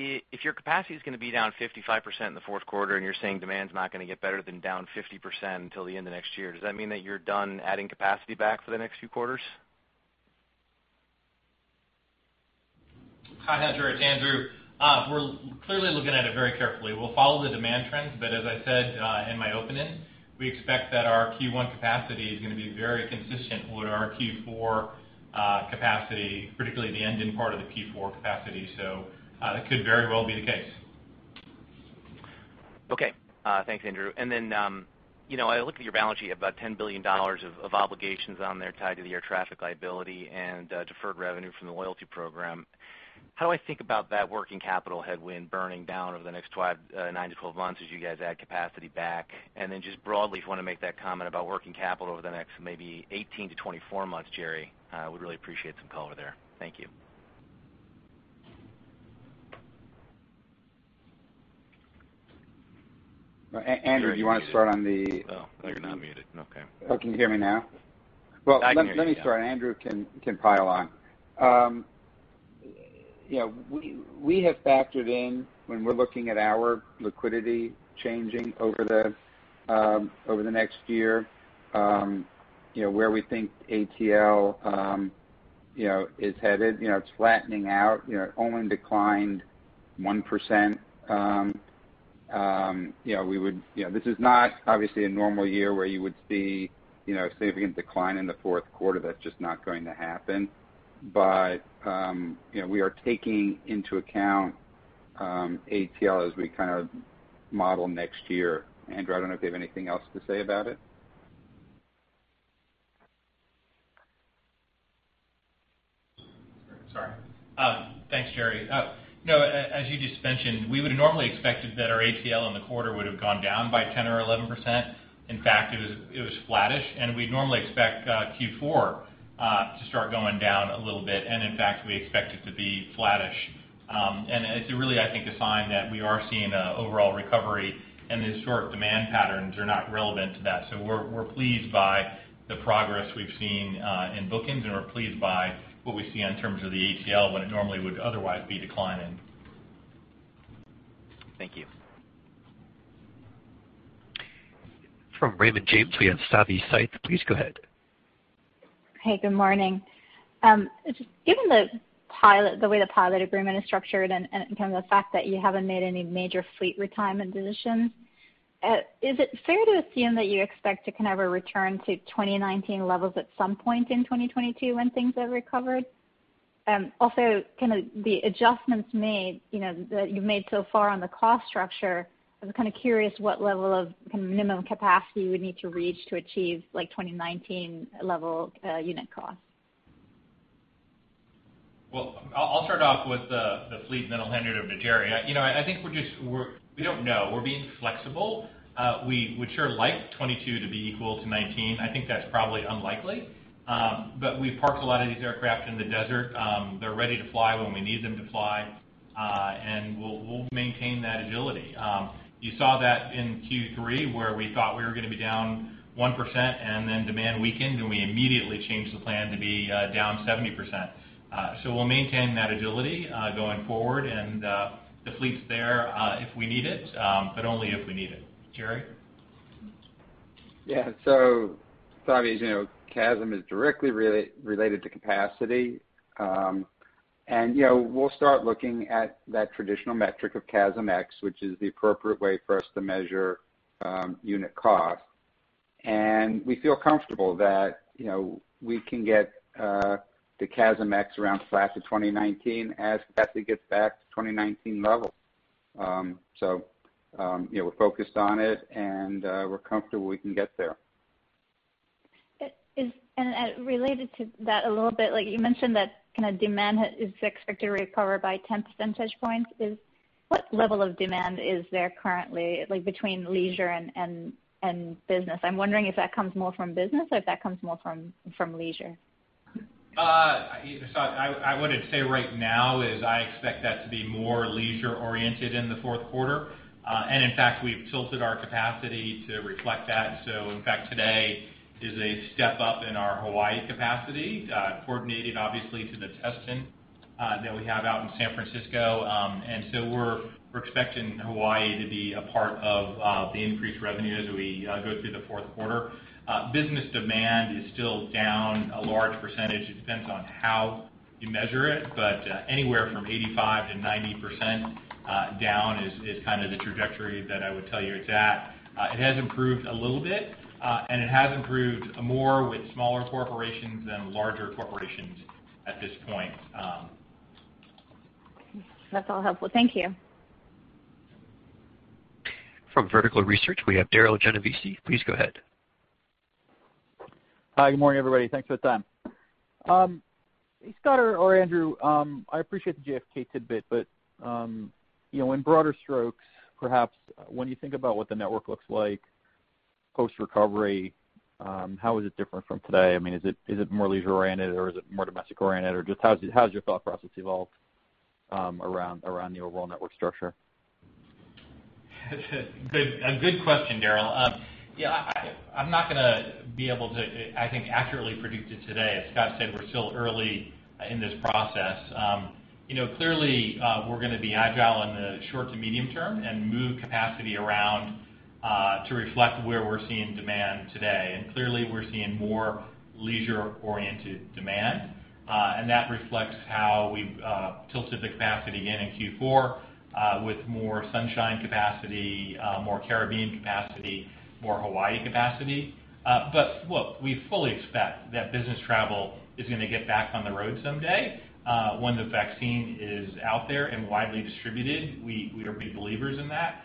If your capacity is going to be down 55% in the fourth quarter and you're saying demand's not going to get better than down 50% until the end of next year, does that mean that you're done adding capacity back for the next few quarters? Hi, Hunter. It's Andrew. We're clearly looking at it very carefully. As I said in my opening, we expect that our Q1 capacity is going to be very consistent with our Q4 capacity, particularly the end in part of the Q4 capacity. That could very well be the case. Okay. Thanks, Andrew. I looked at your balance sheet, about $10 billion of obligations are on there tied to the air traffic liability and deferred revenue from the loyalty program. How do I think about that working capital headwind burning down over the next nine to 12 months as you guys add capacity back? Just broadly, if you want to make that comment about working capital over the next maybe 18-24 months, Gerry would really appreciate some color there. Thank you. Andrew, do you want to start on the- Oh, you're not muted. Okay. Oh, can you hear me now? I can hear you, yeah. Well, let me start. Andrew can pile on. We have factored in, when we're looking at our liquidity changing over the next year, where we think ATL is headed. It's flattening out. It only declined 1%. This is not obviously a normal year where you would see a significant decline in the fourth quarter. That's just not going to happen. We are taking into account ATL as we kind of model next year. Andrew, I don't know if you have anything else to say about it. Thanks, Gerry. As you just mentioned, we would have normally expected that our ATL in the quarter would have gone down by 10% or 11%. In fact, it was flattish, and we'd normally expect Q4 to start going down a little bit, and in fact, we expect it to be flattish. It's really, I think, a sign that we are seeing an overall recovery and the short demand patterns are not relevant to that. We're pleased by the progress we've seen in bookings, and we're pleased by what we see in terms of the ATL when it normally would otherwise be declining. Thank you. From Raymond James, we have Savi Syth. Please go ahead. Hey, good morning. Given the way the pilot agreement is structured and the fact that you haven't made any major fleet retirement decisions, is it fair to assume that you expect to kind of return to 2019 levels at some point in 2022 when things have recovered? Also, can the adjustments that you've made so far on the cost structure? I was kind of curious what level of minimum capacity you would need to reach to achieve the 2019-level unit cost. Well, I'll start off with the fleet and then I'll hand it over to Gerry. I think we don't know. We're being flexible. We would sure like 2022 to be equal to 2019. I think that's probably unlikely. We've parked a lot of these aircraft in the desert. They're ready to fly when we need them to fly. We'll maintain that agility. You saw that in Q3, where we thought we were going to be down 1% and then demand weakened, and we immediately changed the plan to be down 70%. We'll maintain that agility going forward, and the fleet's there if we need it, but only if we need it. Gerry? Yeah. Savi, as you know, CASM is directly related to capacity. We'll start looking at that traditional metric of CASM-ex, which is the appropriate way for us to measure unit cost. We feel comfortable that we can get to CASM-ex around the class of 2019 as capacity gets back to 2019 levels. We're focused on it, and we're comfortable we can get there. Related to that a little bit, you mentioned that kind of demand is expected to recover by 10 percentage points. What level of demand is there currently between leisure and business? I'm wondering if that comes more from business or if that comes more from leisure. I would say right now I expect that to be more leisure-oriented in the fourth quarter. In fact, we've tilted our capacity to reflect that. In fact, today is a step up in our Hawaii capacity, coordinated obviously with the testing that we have out in San Francisco. We're expecting Hawaii to be a part of the increased revenue as we go through the fourth quarter. Business demand is still down a large percentage. It depends on how you measure it, but anywhere from 85%-90% down is kind of the trajectory that I would tell you it's at. It has improved a little bit, and it has improved more with smaller corporations than larger corporations at this point. That's all helpful. Thank you. From Vertical Research, we have Darryl Genovesi. Please go ahead. Hi, good morning, everybody. Thanks for the time. Scott or Andrew, I appreciate the JFK tidbit, but, in broader strokes, perhaps when you think about what the network looks like post-recovery, how is it different from today? Is it more leisure-oriented or is it more domestic-oriented, or just how has your thought process evolved around the overall network structure? A good question, Darryl. I'm not going to be able to, I think, accurately predict it today. As Scott said, we're still early in this process. Clearly, we're going to be agile in the short- to medium-term and move capacity around to reflect where we're seeing demand today. Clearly we're seeing more leisure-oriented demand, and that reflects how we've tilted the capacity again in Q4 with more sunshine capacity, more Caribbean capacity, and more Hawaii capacity. Look, we fully expect that business travel is going to get back on the road someday, when the vaccine is out there and widely distributed. We are big believers in that.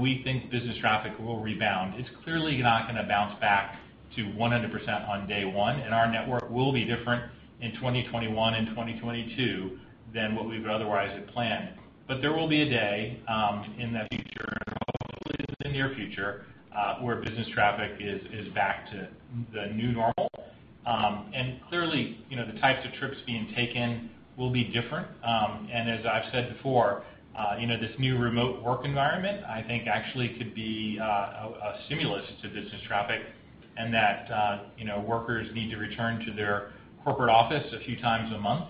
We think business traffic will rebound. It's clearly not going to bounce back to 100% on day one, and our network will be different in 2021 and 2022 than what we would otherwise have planned. There will be a day in the future, and hopefully it's in the near future, where business traffic is back to the new normal. Clearly the types of trips being taken will be different. As I've said before, this new remote work environment, I think, actually could be a stimulus to business traffic in that workers need to return to their corporate office a few times a month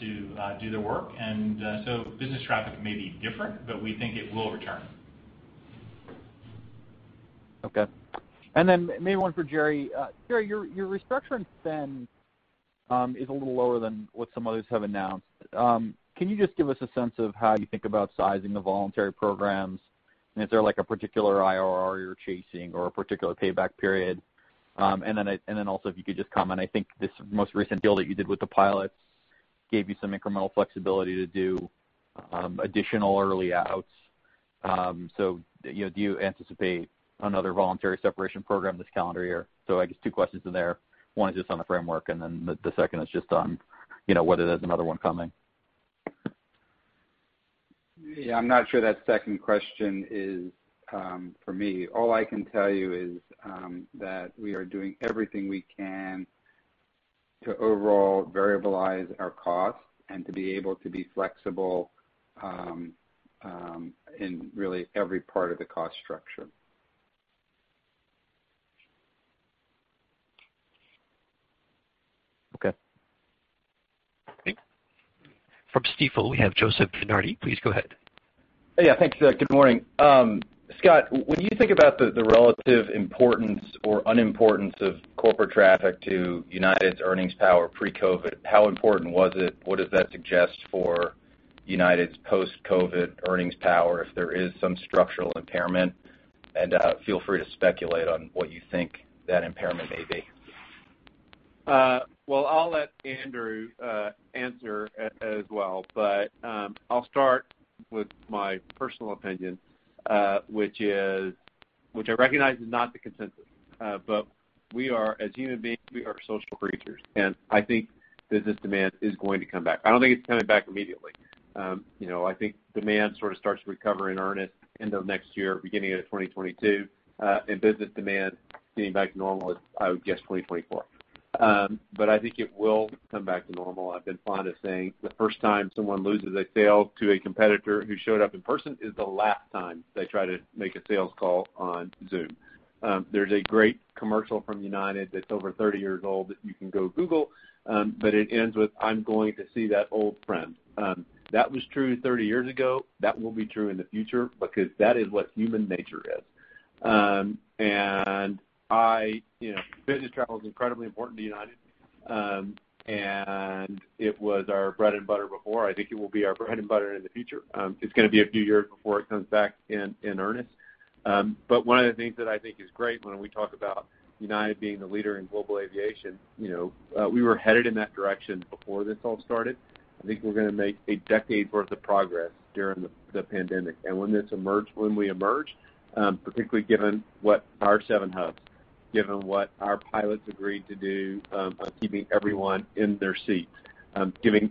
to do their work. Business traffic may be different, but we think it will return. Okay. Maybe one for Gerry. Gerry, your restructuring spend is a little lower than what some others have announced. Can you just give us a sense of how you think about sizing the voluntary programs? Is there a particular IRR you're chasing or a particular payback period? If you could just comment, I think this most recent deal that you did with the pilots gave you some incremental flexibility to do additional early outs. Do you anticipate another voluntary separation program this calendar year? I guess there are two questions in there. One is just on the framework; the second is just on whether there's another one coming. Yeah, I'm not sure that second question is for me. All I can tell you is that we are doing everything we can to overall make our costs variable and to be able to be flexible in really every part of the cost structure. Okay. From Stifel, we have Joseph DeNardi. Please go ahead. Yeah, thanks. Good morning. Scott, when you think about the relative importance or unimportance of corporate traffic to United's earnings power pre-COVID, how important was it? What does that suggest for United's post-COVID earnings power, if there is some structural impairment? Feel free to speculate on what you think that impairment may be. Well, I'll let Andrew answer as well, but I'll start with my personal opinion, which I recognize is not the consensus. As human beings, we are social creatures, and I think business demand is going to come back. I don't think it's coming back immediately. I think demand sort of starts to recover in earnest at the end of next year, beginning of 2022, and business demand getting back to normal is, I would guess, 2024. I think it will come back to normal. I've been fond of saying the first time someone loses a sale to a competitor who showed up in person is the last time they try to make a sales call on Zoom. There's a great commercial from United that's over 30 years old that you can go Google, but it ends with, I'm going to see that old friend. That was true 30 years ago. That will be true in the future because that is what human nature is. Business travel is incredibly important to United. It was our bread and butter before. I think it will be our bread and butter in the future. It's going to be a few years before it comes back in earnest. One of the things that I think is great is when we talk about United being the leader in global aviation, we were headed in that direction before all this started. I think we're going to make a decade worth of progress during the pandemic. When we emerge, particularly given what our seven hubs, given what our pilots agreed to do, keeping everyone in their seats; given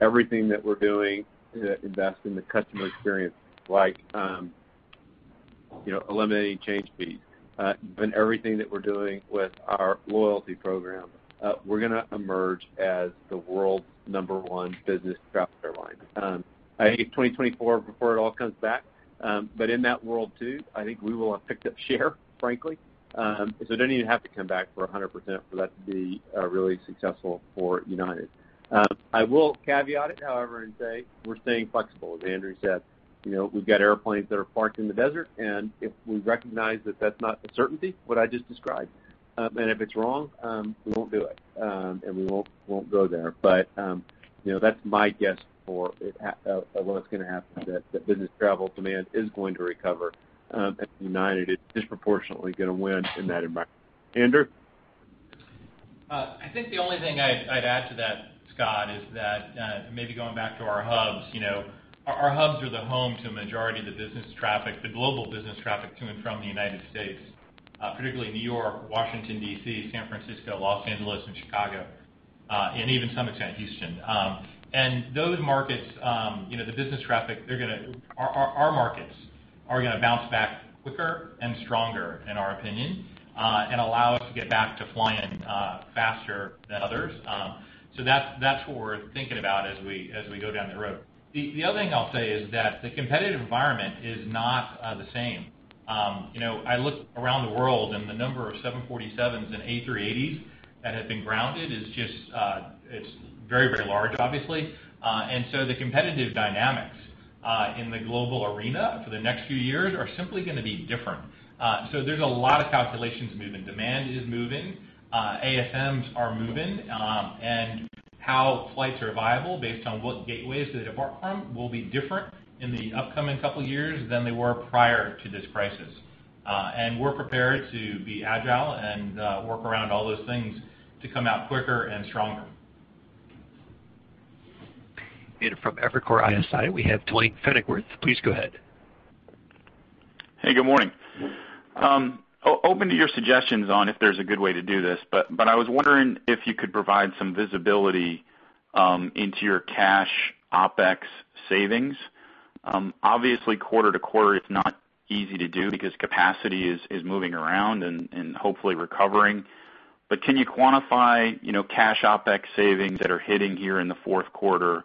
everything that we're doing to invest in the customer experience, like eliminating change fees; and given everything that we're doing with our loyalty program, we're going to emerge as the world's number one business travel airline. I think 2024, before it all comes back. In that world, too, I think we will have picked up share, frankly. Don't even have to come back for 100% for that to be really successful for United. I will caveat it, however, and say we're staying flexible. As Andrew said, we've got airplanes that are parked in the desert, and if we recognize that that's not a certainty, what I just described, and if it's wrong, we won't do it, and we won't go there. That's my guess for what's going to happen: business travel demand is going to recover, and United is disproportionately going to win in that environment. Andrew? I think the only thing I'd add to that, Scott, is maybe going back to our hubs. Our hubs are the home to a majority of the business traffic, the global business traffic to and from the United States, particularly New York, Washington, D.C., San Francisco, Los Angeles, Chicago, and even, to some extent, Houston. Those markets, the business traffic, and our markets are going to bounce back quicker and stronger, in our opinion, and allow us to get back to flying faster than others. That's what we're thinking about as we go down the road. The other thing I'll say is that the competitive environment is not the same. I look around the world, and the number of 747s and A380s that have been grounded is just very, very large, obviously. The competitive dynamics in the global arena for the next few years are simply going to be different. There's a lot of calculations moving. Demand is moving, ASMs are moving, and how flights are viable based on what gateways they depart from will be different in the upcoming couple years than they were prior to this crisis. We're prepared to be agile and work around all those things to come out quicker and stronger. From Evercore ISI, we have Duane Pfennigwerth. Please go ahead. Hey, good morning. Open to your suggestions on if there's a good way to do this, I was wondering if you could provide some visibility into your cash OpEx savings. Obviously, quarter-to-quarter it's not easy to do because capacity is moving around and hopefully recovering. Can you quantify cash OpEx savings that are hitting here in the fourth quarter?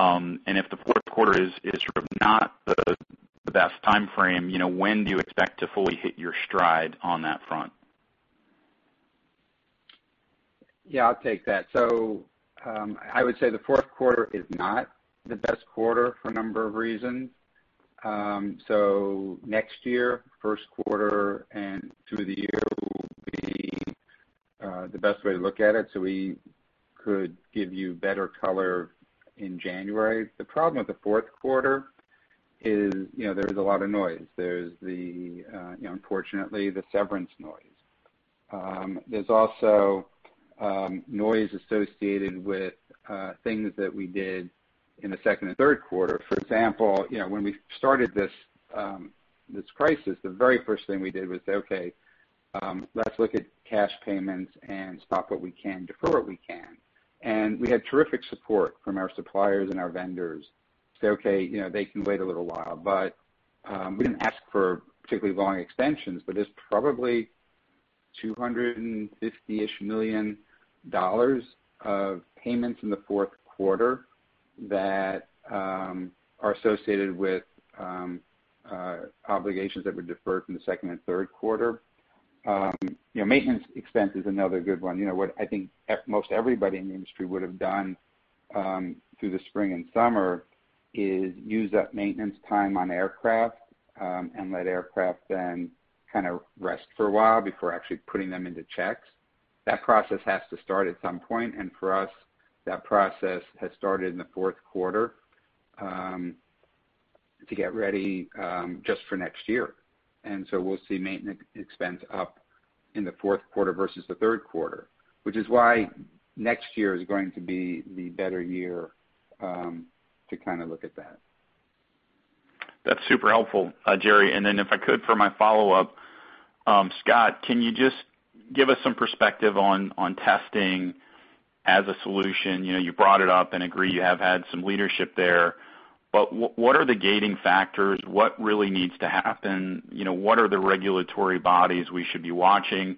If the fourth quarter is sort of not the best timeframe, when do you expect to fully hit your stride on that front? Yeah, I'll take that. I would say the fourth quarter is not the best quarter for a number of reasons. Next year, first quarter and through the year will be the best way to look at it. We could give you better color in January. The problem with the fourth quarter is there is a lot of noise. There's unfortunately the severance noise. There's also noise associated with things that we did in the second and third quarters. For example, when we started this crisis, the very first thing we did was say, Okay, let's look at cash payments and stop what we can and defer what we can. We had terrific support from our suppliers and our vendors. Say, okay, they can wait a little while. We didn't ask for particularly long extensions; there's probably $250 million of payments in the fourth quarter that are associated with obligations that were deferred from the second and third quarters. Maintenance expense is another good one. What I think most everybody in the industry would have done through the spring and summer is use up maintenance time on aircraft and let aircraft then kind of rest for a while before actually putting them into checks. That process has to start at some point, and for us, that process has started in the fourth quarter to get ready just for next year. We'll see maintenance expense up in the fourth quarter versus the third quarter, which is why next year is going to be the better year to kind of look at that. That's super helpful, Gerry. If I could for my follow-up, Scott, can you just give us some perspective on testing as a solution? You brought it up, and I agree you have had some leadership there. What are the gating factors? What really needs to happen? What are the regulatory bodies we should be watching?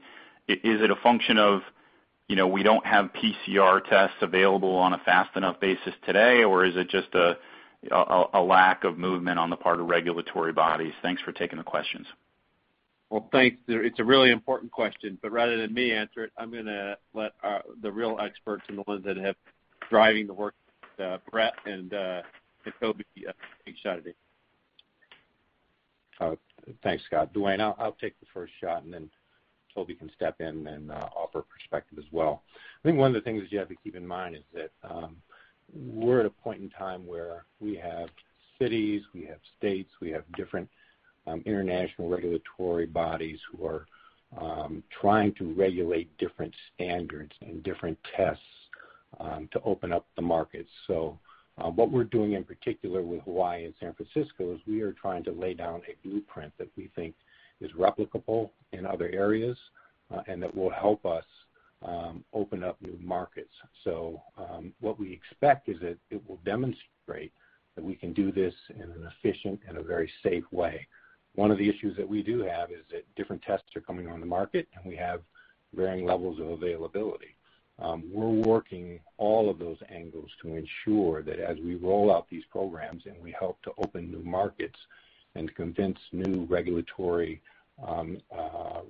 Is it a function of not having PCR tests available on a fast enough basis today, or is it just a lack of movement on the part of regulatory bodies? Thanks for taking the questions. Well, thanks. It's a really important question. Rather than me answering it, I'm going to let the real experts and the ones that have driven the work, Brett and Toby, take a shot at it. Thanks, Scott. Duane, I'll take the first shot, and then Toby can step in and offer perspective as well. I think one of the things that you have to keep in mind is that we're at a point in time where we have cities, we have states, and we have different international regulatory bodies that are trying to regulate different standards and different tests to open up the markets. What we're doing in particular with Hawaii and San Francisco is we are trying to lay down a blueprint that we think is replicable in other areas and that will help us open up new markets. What we expect is that it will demonstrate that we can do this in an efficient and a very safe way. One of the issues that we do have is that different tests are coming on the market, and we have varying levels of availability. We're working on all of those angles to ensure that as we roll out these programs and we help to open new markets and convince new regulatory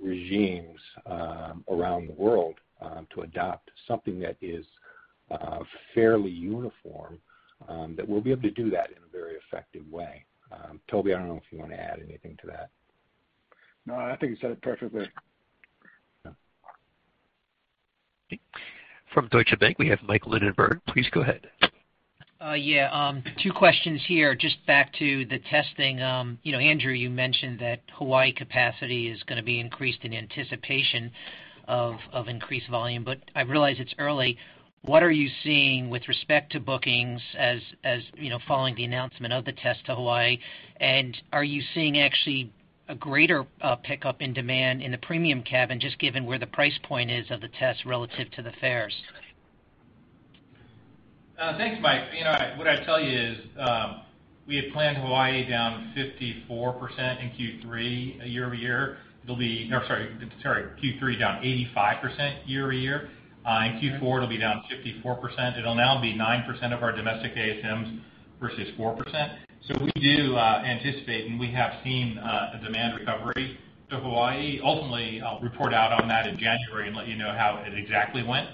regimes around the world to adopt something that is fairly uniform, we will be able to do that in a very effective way. Toby, I don't know if you want to add anything to that. No, I think you said it perfectly. Yeah. From Deutsche Bank, we have Mike Linenberg. Please go ahead. Yeah. Two questions here. Just back to the testing. Andrew, you mentioned that Hawaii's capacity is going to be increased in anticipation of increased volume. I realize it's early. What are you seeing with respect to bookings following the announcement of the test to Hawaii? Are you seeing actually a greater pickup in demand in the premium cabin, just given where the price point is of the test relative to the fares? Thanks, Mike. What I'd tell you is we had planned Hawaii down 54% in Q3 year-over-year. I'm sorry, Q3 is down 85% year-over-year. In Q4, it'll be down 54%. It'll now be 9% of our domestic ASMs versus 4%. We do anticipate it, and we have seen a demand recovery to Hawaii. Ultimately, I'll report out on that in January and let you know how it exactly went.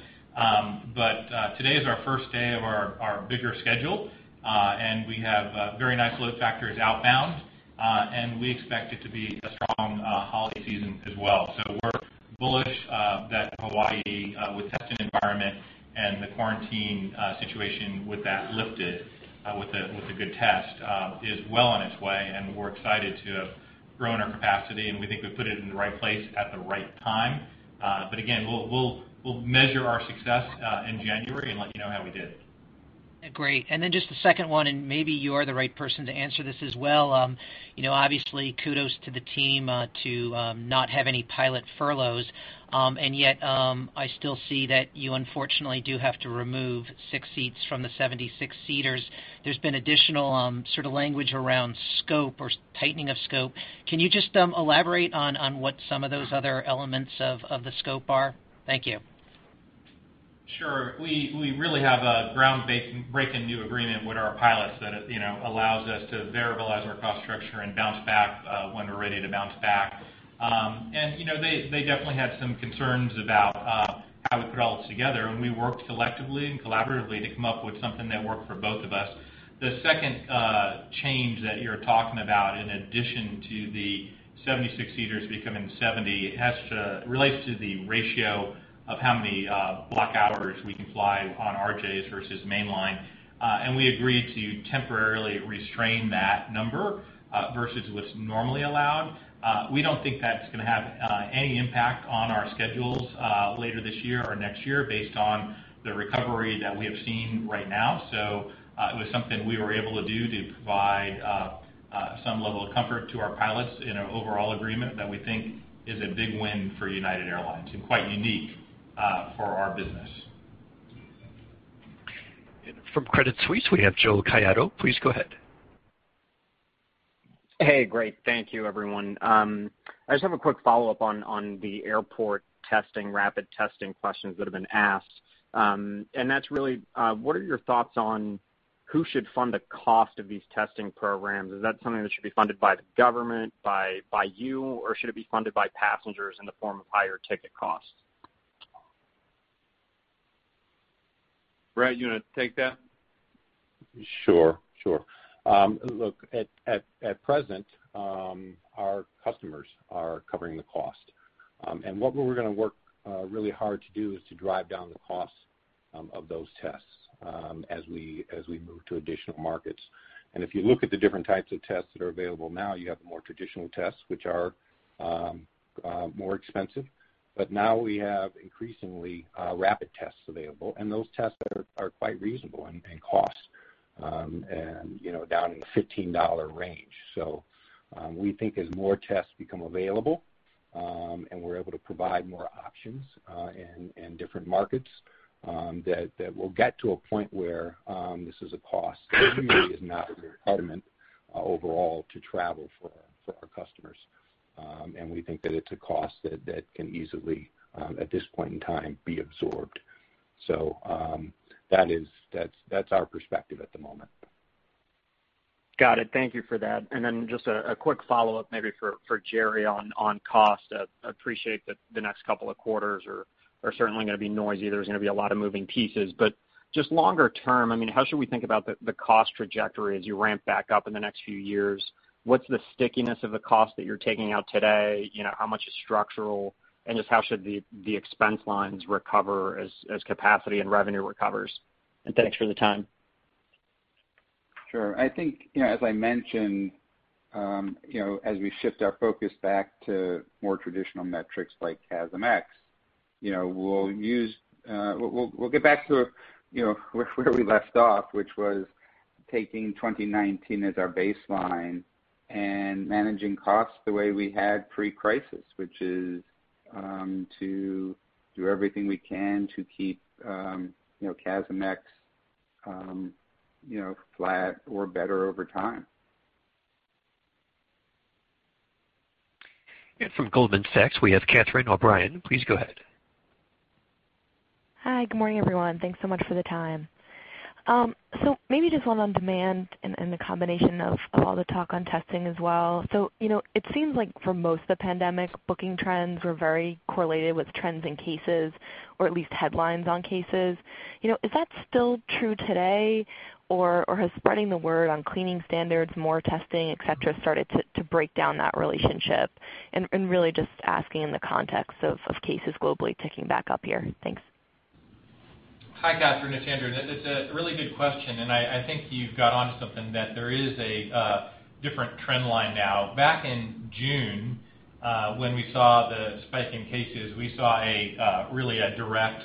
Today is our first day of our bigger schedule, and we have very nice load factors outbound, and we expect it to be a strong holiday season as well. We're bullish that Hawaii, with the testing environment and the quarantine situation with that lifted with a good test, is well on its way, and we're excited to have grown our capacity, and we think we've put it in the right place at the right time. Again, we'll measure our success in January and let you know how we did. Great. Then just the second one, and maybe you are the right person to answer this as well. Obviously, kudos to the team to not have any pilot furloughs. Yet, I still see that you unfortunately do have to remove six seats from the 76-seaters. There's been additional sort of language around scope or tightening of scope. Can you just elaborate on what some of those other elements of the scope are? Thank you. Sure. We really have a groundbreaking new agreement with our pilots that allows us to make our cost structure variable and bounce back when we're ready to bounce back. They definitely had some concerns about how we put it all together, and we worked collectively and collaboratively to come up with something that worked for both of us. The second change that you're talking about in addition to the 76-seaters becoming 70 relates to the ratio of how many block hours we can fly on RJs versus mainline. We agreed to temporarily restrain that number versus what's normally allowed. We don't think that's going to have any impact on our schedules later this year or next year based on the recovery that we have seen right now. It was something we were able to do to provide some level of comfort to our pilots in an overall agreement that we think is a big win for United Airlines and quite unique for our business. From Credit Suisse, we have Joe Caiado. Please go ahead. Hey, great. Thank you, everyone. I just have a quick follow-up on the airport rapid testing questions that have been asked. That's really what are your thoughts on who should fund the cost of these testing programs? Is that something that should be funded by the government, by you, or should it be funded by passengers in the form of higher ticket costs? Brett, you want to take that? Sure. Look, at present our customers are covering the cost. What we're going to work really hard to do is to drive down the cost of those tests as we move to additional markets. If you look at the different types of tests that are available now, you have the more traditional tests, which are more expensive. Now we have increasingly rapid tests available, and those tests are quite reasonable in cost and down in the $15 range. We think as more tests become available and we're able to provide more options in different markets, we'll get to a point where this is a cost that really is not a requirement overall to travel for our customers. We think that it's a cost that can easily, at this point in time, be absorbed. That's our perspective at the moment. Got it. Thank you for that. Then just a quick follow-up maybe for Gerry on cost. I appreciate that the next couple of quarters are certainly going to be noisy. There's going to be a lot of moving pieces, but just longer term, how should we think about the cost trajectory as you ramp back up in the next few years? What's the stickiness of the cost that you're taking out today? How much is structural, and just how should the expense lines recover as capacity and revenue recover? Thanks for the time. Sure. I think, as I mentioned, as we shift our focus back to more traditional metrics like CASM-ex, we'll get back to where we left off, which was taking 2019 as our baseline and managing costs the way we had pre-crisis, which is to do everything we can to keep CASM-ex flat or better over time. From Goldman Sachs, we have Catherine O'Brien. Please go ahead. Hi. Good morning, everyone. Thanks so much for the time. Maybe just one on demand and the combination of all the talk on testing as well. It seems like for most of the pandemic, booking trends were very correlated with trends in cases, or at least headlines on cases. Is that still true today, or has spreading the word on cleaning standards, more testing, et cetera, started to break down that relationship? Really just asking in the context of cases globally ticking back up here. Thanks. Hi, Catherine. It's Andrew. That's a really good question. I think you've got onto something: there is a different trend line now. Back in June, when we saw the spike in cases, we saw, really, a direct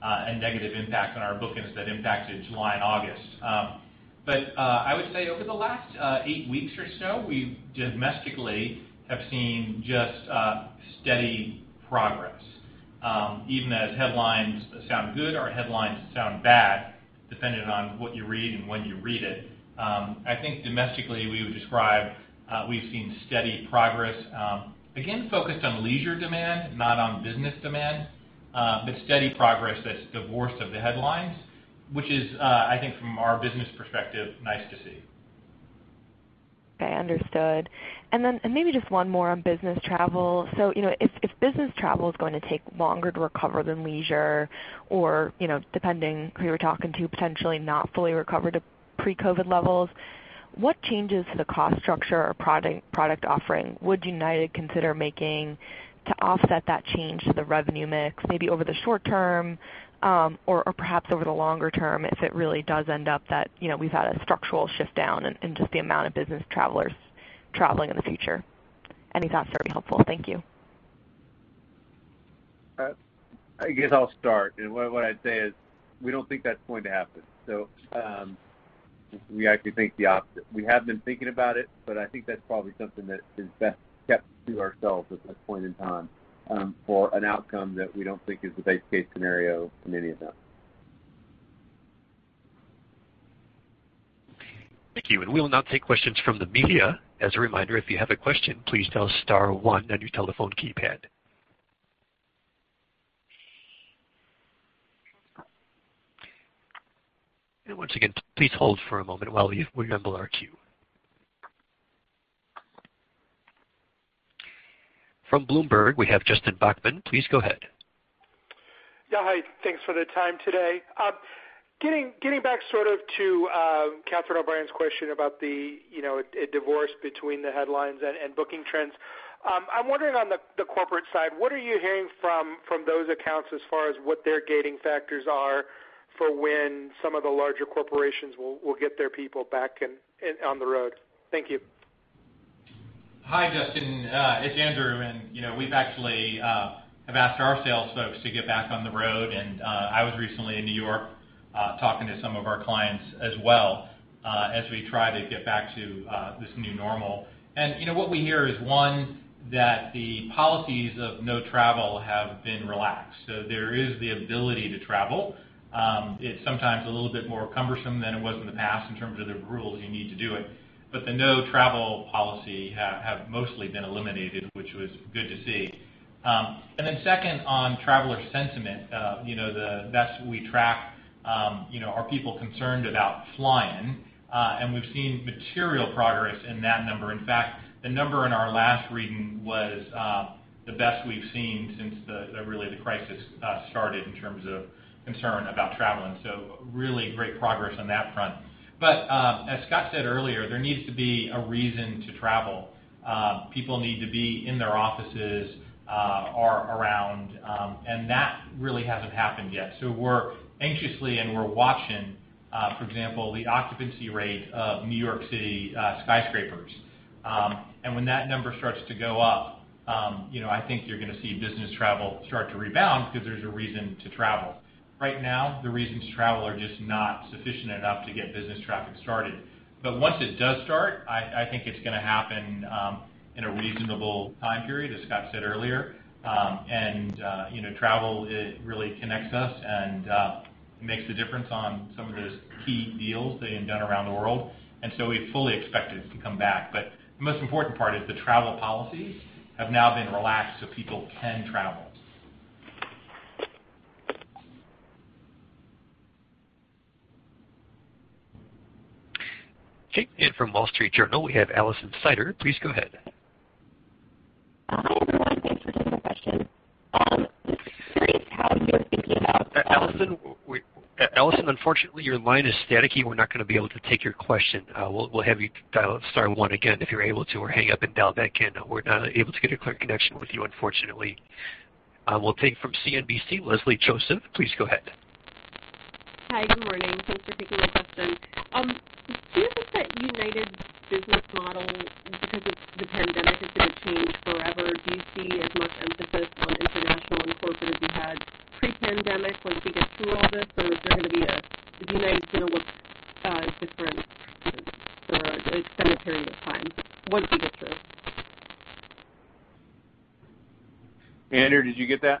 and negative impact on our bookings that impacted July and August. I would say over the last eight weeks or so, we domestically have seen just steady progress. Even as headlines sound good or headlines sound bad, depending on what you read and when you read it, I think domestically, we would describe what we've seen as steady progress. Again, focused on leisure demand, not on business demand, but steady progress that's divorced from the headlines, which is, I think, from our business perspective, nice to see. Okay, understood. Maybe just one more on business travel. If business travel is going to take longer to recover than leisure or, depending on who you're talking to, potentially not fully recover to pre-COVID levels, what changes to the cost structure or product offering would United consider making to offset that change to the revenue mix, maybe over the short term or perhaps over the longer term, if it really does end up that we've had a structural shift down in just the amount of business travelers traveling in the future? Any thoughts would be helpful. Thank you. I guess I'll start. What I'd say is we don't think that's going to happen. We actually think the opposite. We have been thinking about it, but I think that's probably something that is best kept to ourselves at this point in time for an outcome that we don't think is the base-case scenario for any of them. Thank you. We will now take questions from the media. As a reminder, if you have a question, please dial star one on your telephone keypad. Once again, please hold for a moment while we assemble our queue. From Bloomberg, we have Justin Bachman. Please go ahead. Yeah. Hi. Thanks for the time today. Getting back sort of to Catherine O'Brien's question about the divorce between the headlines and booking trends. I'm wondering on the corporate side, what are you hearing from those accounts as far as what their gating factors are for when some of the larger corporations will get their people back and on the road? Thank you. Hi, Justin. It's Andrew, and we've actually asked our sales folks to get back on the road, and I was recently in New York, talking to some of our clients as well, as we try to get back to this new normal. What we hear is, one, that the policies of no travel have been relaxed. There is the ability to travel. It's sometimes a little bit more cumbersome than it was in the past in terms of the rules you need to do it, but the no-travel policies have mostly been eliminated, which was good to see. Second in traveler sentiment that we track are people concerned about flying, and we've seen material progress in that number. In fact, the number in our last reading was the best we've seen since really the crisis started in terms of concern about traveling. Really great progress on that front. As Scott said earlier, there needs to be a reason to travel. People need to be in their offices or around, and that really hasn't happened yet. We're anxious, and we're watching, for example, the occupancy rate of New York City skyscrapers. When that number starts to go up, I think you're going to see business travel start to rebound because there's a reason to travel. Right now, the reasons to travel are just not sufficient enough to get business traffic started. Once it does start, I think it's going to happen in a reasonable time period, as Scott said earlier. Travel really connects us and makes the difference in some of those key deals being done around the world. We fully expect it to come back, but the most important part is the travel policies have now been relaxed so people can travel. Taking it from Wall Street Journal, we have Alison Sider. Please go ahead. Hi, everyone. Thanks for taking my question. I'm just curious what you're thinking about. Alison, unfortunately, your line is staticky. We're not going to be able to take your question. We'll have you dial star one again if you're able to, or hang up and dial back in. We're not able to get a clear connection with you, unfortunately. We'll take from CNBC, Leslie Josephs; please go ahead. Hi. Good morning. Thanks for taking my question. Do you think that United's business model, because of the pandemic, is going to change forever? Do you see as much emphasis on international and corporate as you had pre-pandemic once we get through all this, or is United going to look different for an extended period of time once we get through this? Andrew, did you get that?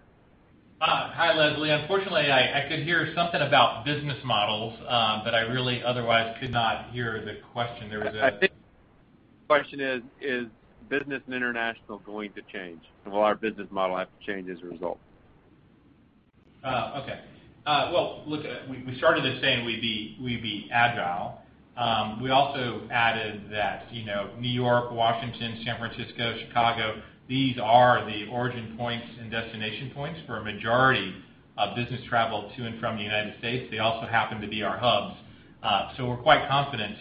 Hi, Leslie. Unfortunately, I could hear something about business models, but I really otherwise could not hear the question. I think the question is: Is business and international going to change? Will our business model have to change as a result? Okay. Well, look, we started this saying we'd be agile. We also added that New York, Washington, San Francisco, and Chicago are the origin points and destination points for a majority of business travel to and from the United States. They also happen to be our hubs. We're quite confident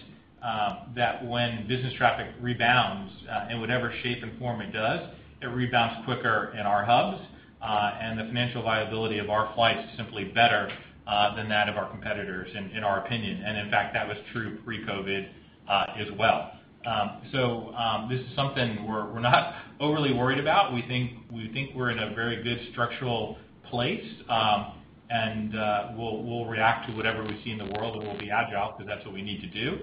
that when business traffic rebounds, in whatever shape and form it does, it rebounds quicker in our hubs, and the financial viability of our flights is simply better than that of our competitors, in our opinion. In fact, that was true pre-COVID as well. This is something we're not overly worried about. We think we're in a very good structural place. We'll react to whatever we see in the world, and we'll be agile, because that's what we need to do.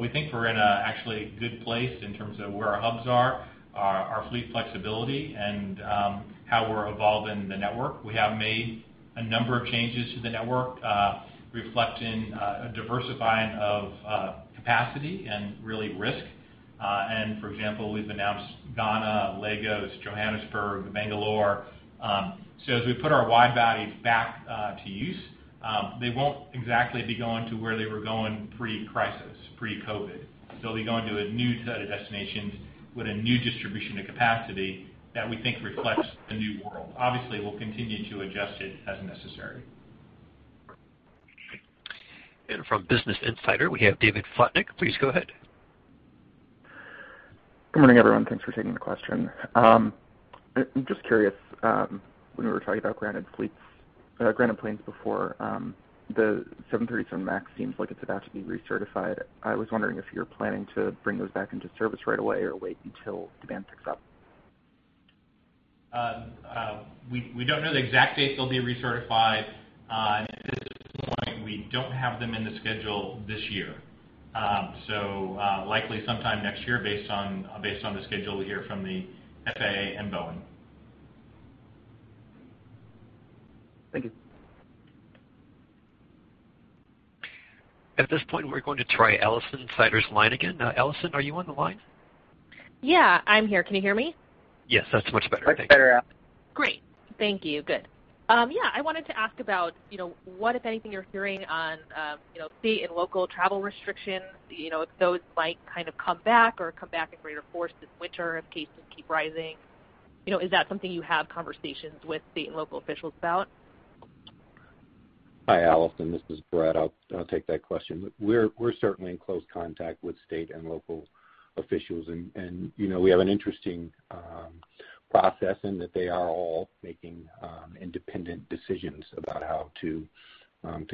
We think we're in an actually good place in terms of where our hubs are, our fleet flexibility, and how we're evolving the network. We have made a number of changes to the network, reflecting a diversification of capacity and, really, risk. For example, we've announced Ghana, Lagos, Johannesburg, and Bangalore. As we put our wide-bodies back to use, they won't exactly be going to where they were going pre-crisis, pre-COVID. They'll be going to a new set of destinations with a new distribution of capacity that we think reflects the new world. Obviously, we'll continue to adjust it as necessary. From Business Insider, we have David Slotnick. Please go ahead. Good morning, everyone. Thanks for taking the question. I'm just curious; when we were talking about grounded planes before, the 737 MAX seemed like it was about to be recertified. I was wondering if you're planning to bring those back into service right away or wait until demand picks up. We don't know the exact date they'll be recertified. At this point, we don't have them in the schedule this year. Likely sometime next year based on the schedule we hear from the FAA and Boeing. Thank you. At this point, we're going to try Alison Sider's line again. Alison, are you on the line? Yeah, I'm here. Can you hear me? Yes, that's much better. Much better. Great. Thank you. Good. I wanted to ask about what, if anything, you're hearing on state and local travel restrictions, if those might kind of come back or come back in greater force this winter if cases keep rising. Is that something you have conversations with state and local officials about? Hi, Alison. This is Brett Hart. I'll take that question. We're certainly in close contact with state and local officials, and we have an interesting process in that they are all making independent decisions about how to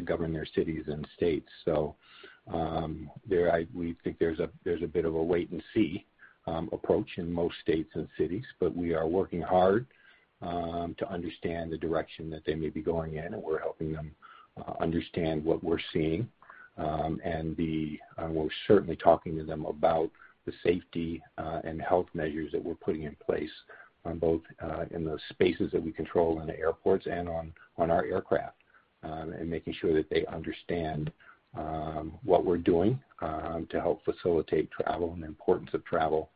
govern their cities and states. We think there's a bit of a wait-and-see approach in most states and cities. We are working hard to understand the direction that they may be going in, and we're helping them understand what we're seeing. We're certainly talking to them about the safety and health measures that we're putting in place both in the spaces that we control in the airports and on our aircraft. Making sure that they understand what we're doing to help facilitate travel and the importance of travel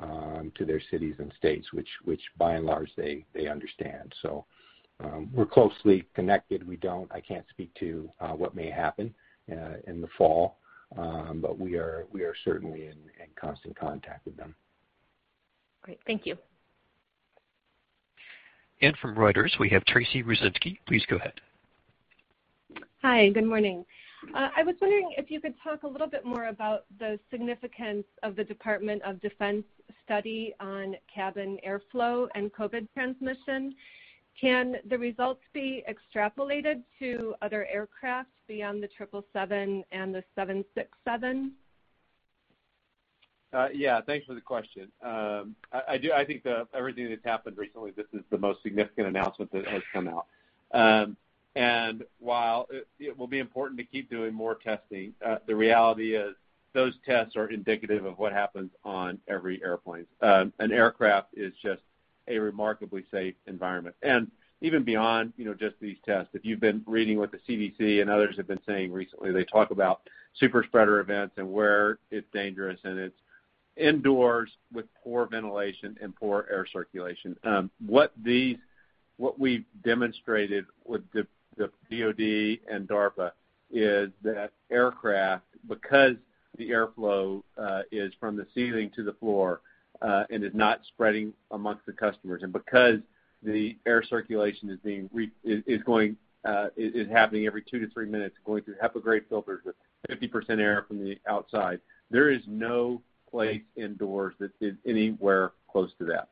to their cities and states, which, by and large, they understand. We're closely connected. I can't speak to what may happen in the fall. We are certainly in constant contact with them. Great. Thank you. From Reuters, we have Tracy Rucinski. Please go ahead. Hi. Good morning. I was wondering if you could talk a little bit more about the significance of the Department of Defense study on cabin airflow and COVID transmission. Can the results be extrapolated to other aircraft beyond the 777 and the 767? Yeah. Thanks for the question. I think of everything that's happened recently; this is the most significant announcement that has come out. While it will be important to keep doing more testing, the reality is those tests are indicative of what happens on every airplane. An aircraft is just a remarkably safe environment. Even beyond just these tests, if you've been reading what the CDC and others have been saying recently, they talk about super-spreader events and where it's dangerous, and it's indoors with poor ventilation and poor air circulation. What we've demonstrated with the DoD and DARPA is that aircraft, because the airflow is from the ceiling to the floor and is not spreading amongst the customers, and because the air circulation is happening every two to three minutes, going through HEPA-grade filters with 50% air from the outside, there is no place indoors that is anywhere close to that.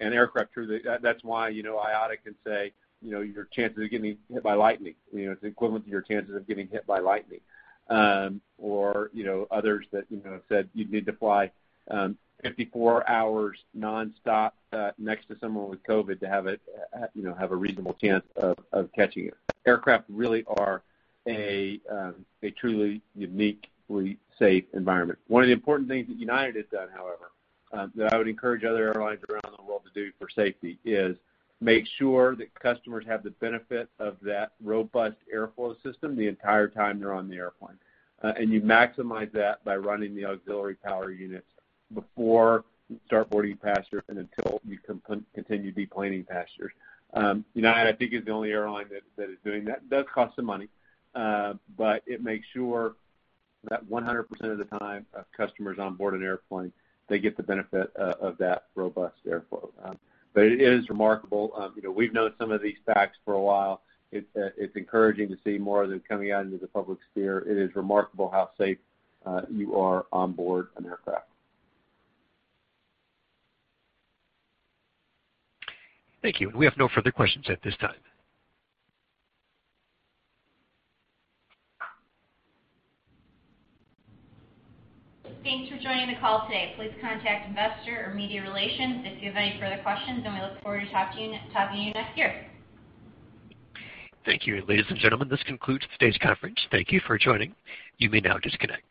Aircraft—that's why IATA can say it's equivalent to your chances of getting hit by lightning. Others have said you'd need to fly 54 hours nonstop, next to someone with COVID, to have a reasonable chance of catching it. Aircraft really are a truly uniquely safe environment. One of the important things that United has done, however, that I would encourage other airlines around the world to do for safety is make sure that customers have the benefit of that robust airflow system the entire time they're on the airplane. You maximize that by running the auxiliary power units before you start boarding passengers and until you continue deplaning passengers. United, I think, is the only airline that is doing that. It does cost some money, but it makes sure that 100% of the time customers are on board an airplane, they get the benefit of that robust airflow. It is remarkable. We've known some of these facts for a while. It's encouraging to see more of them coming out into the public sphere. It is remarkable how safe you are on board an aircraft. Thank you. We have no further questions at this time. Thanks for joining the call today. Please contact investor or media relations if you have any further questions. We look forward to talking to you next year. Thank you. Ladies and gentlemen, this concludes today's conference. Thank you for joining. You may now disconnect.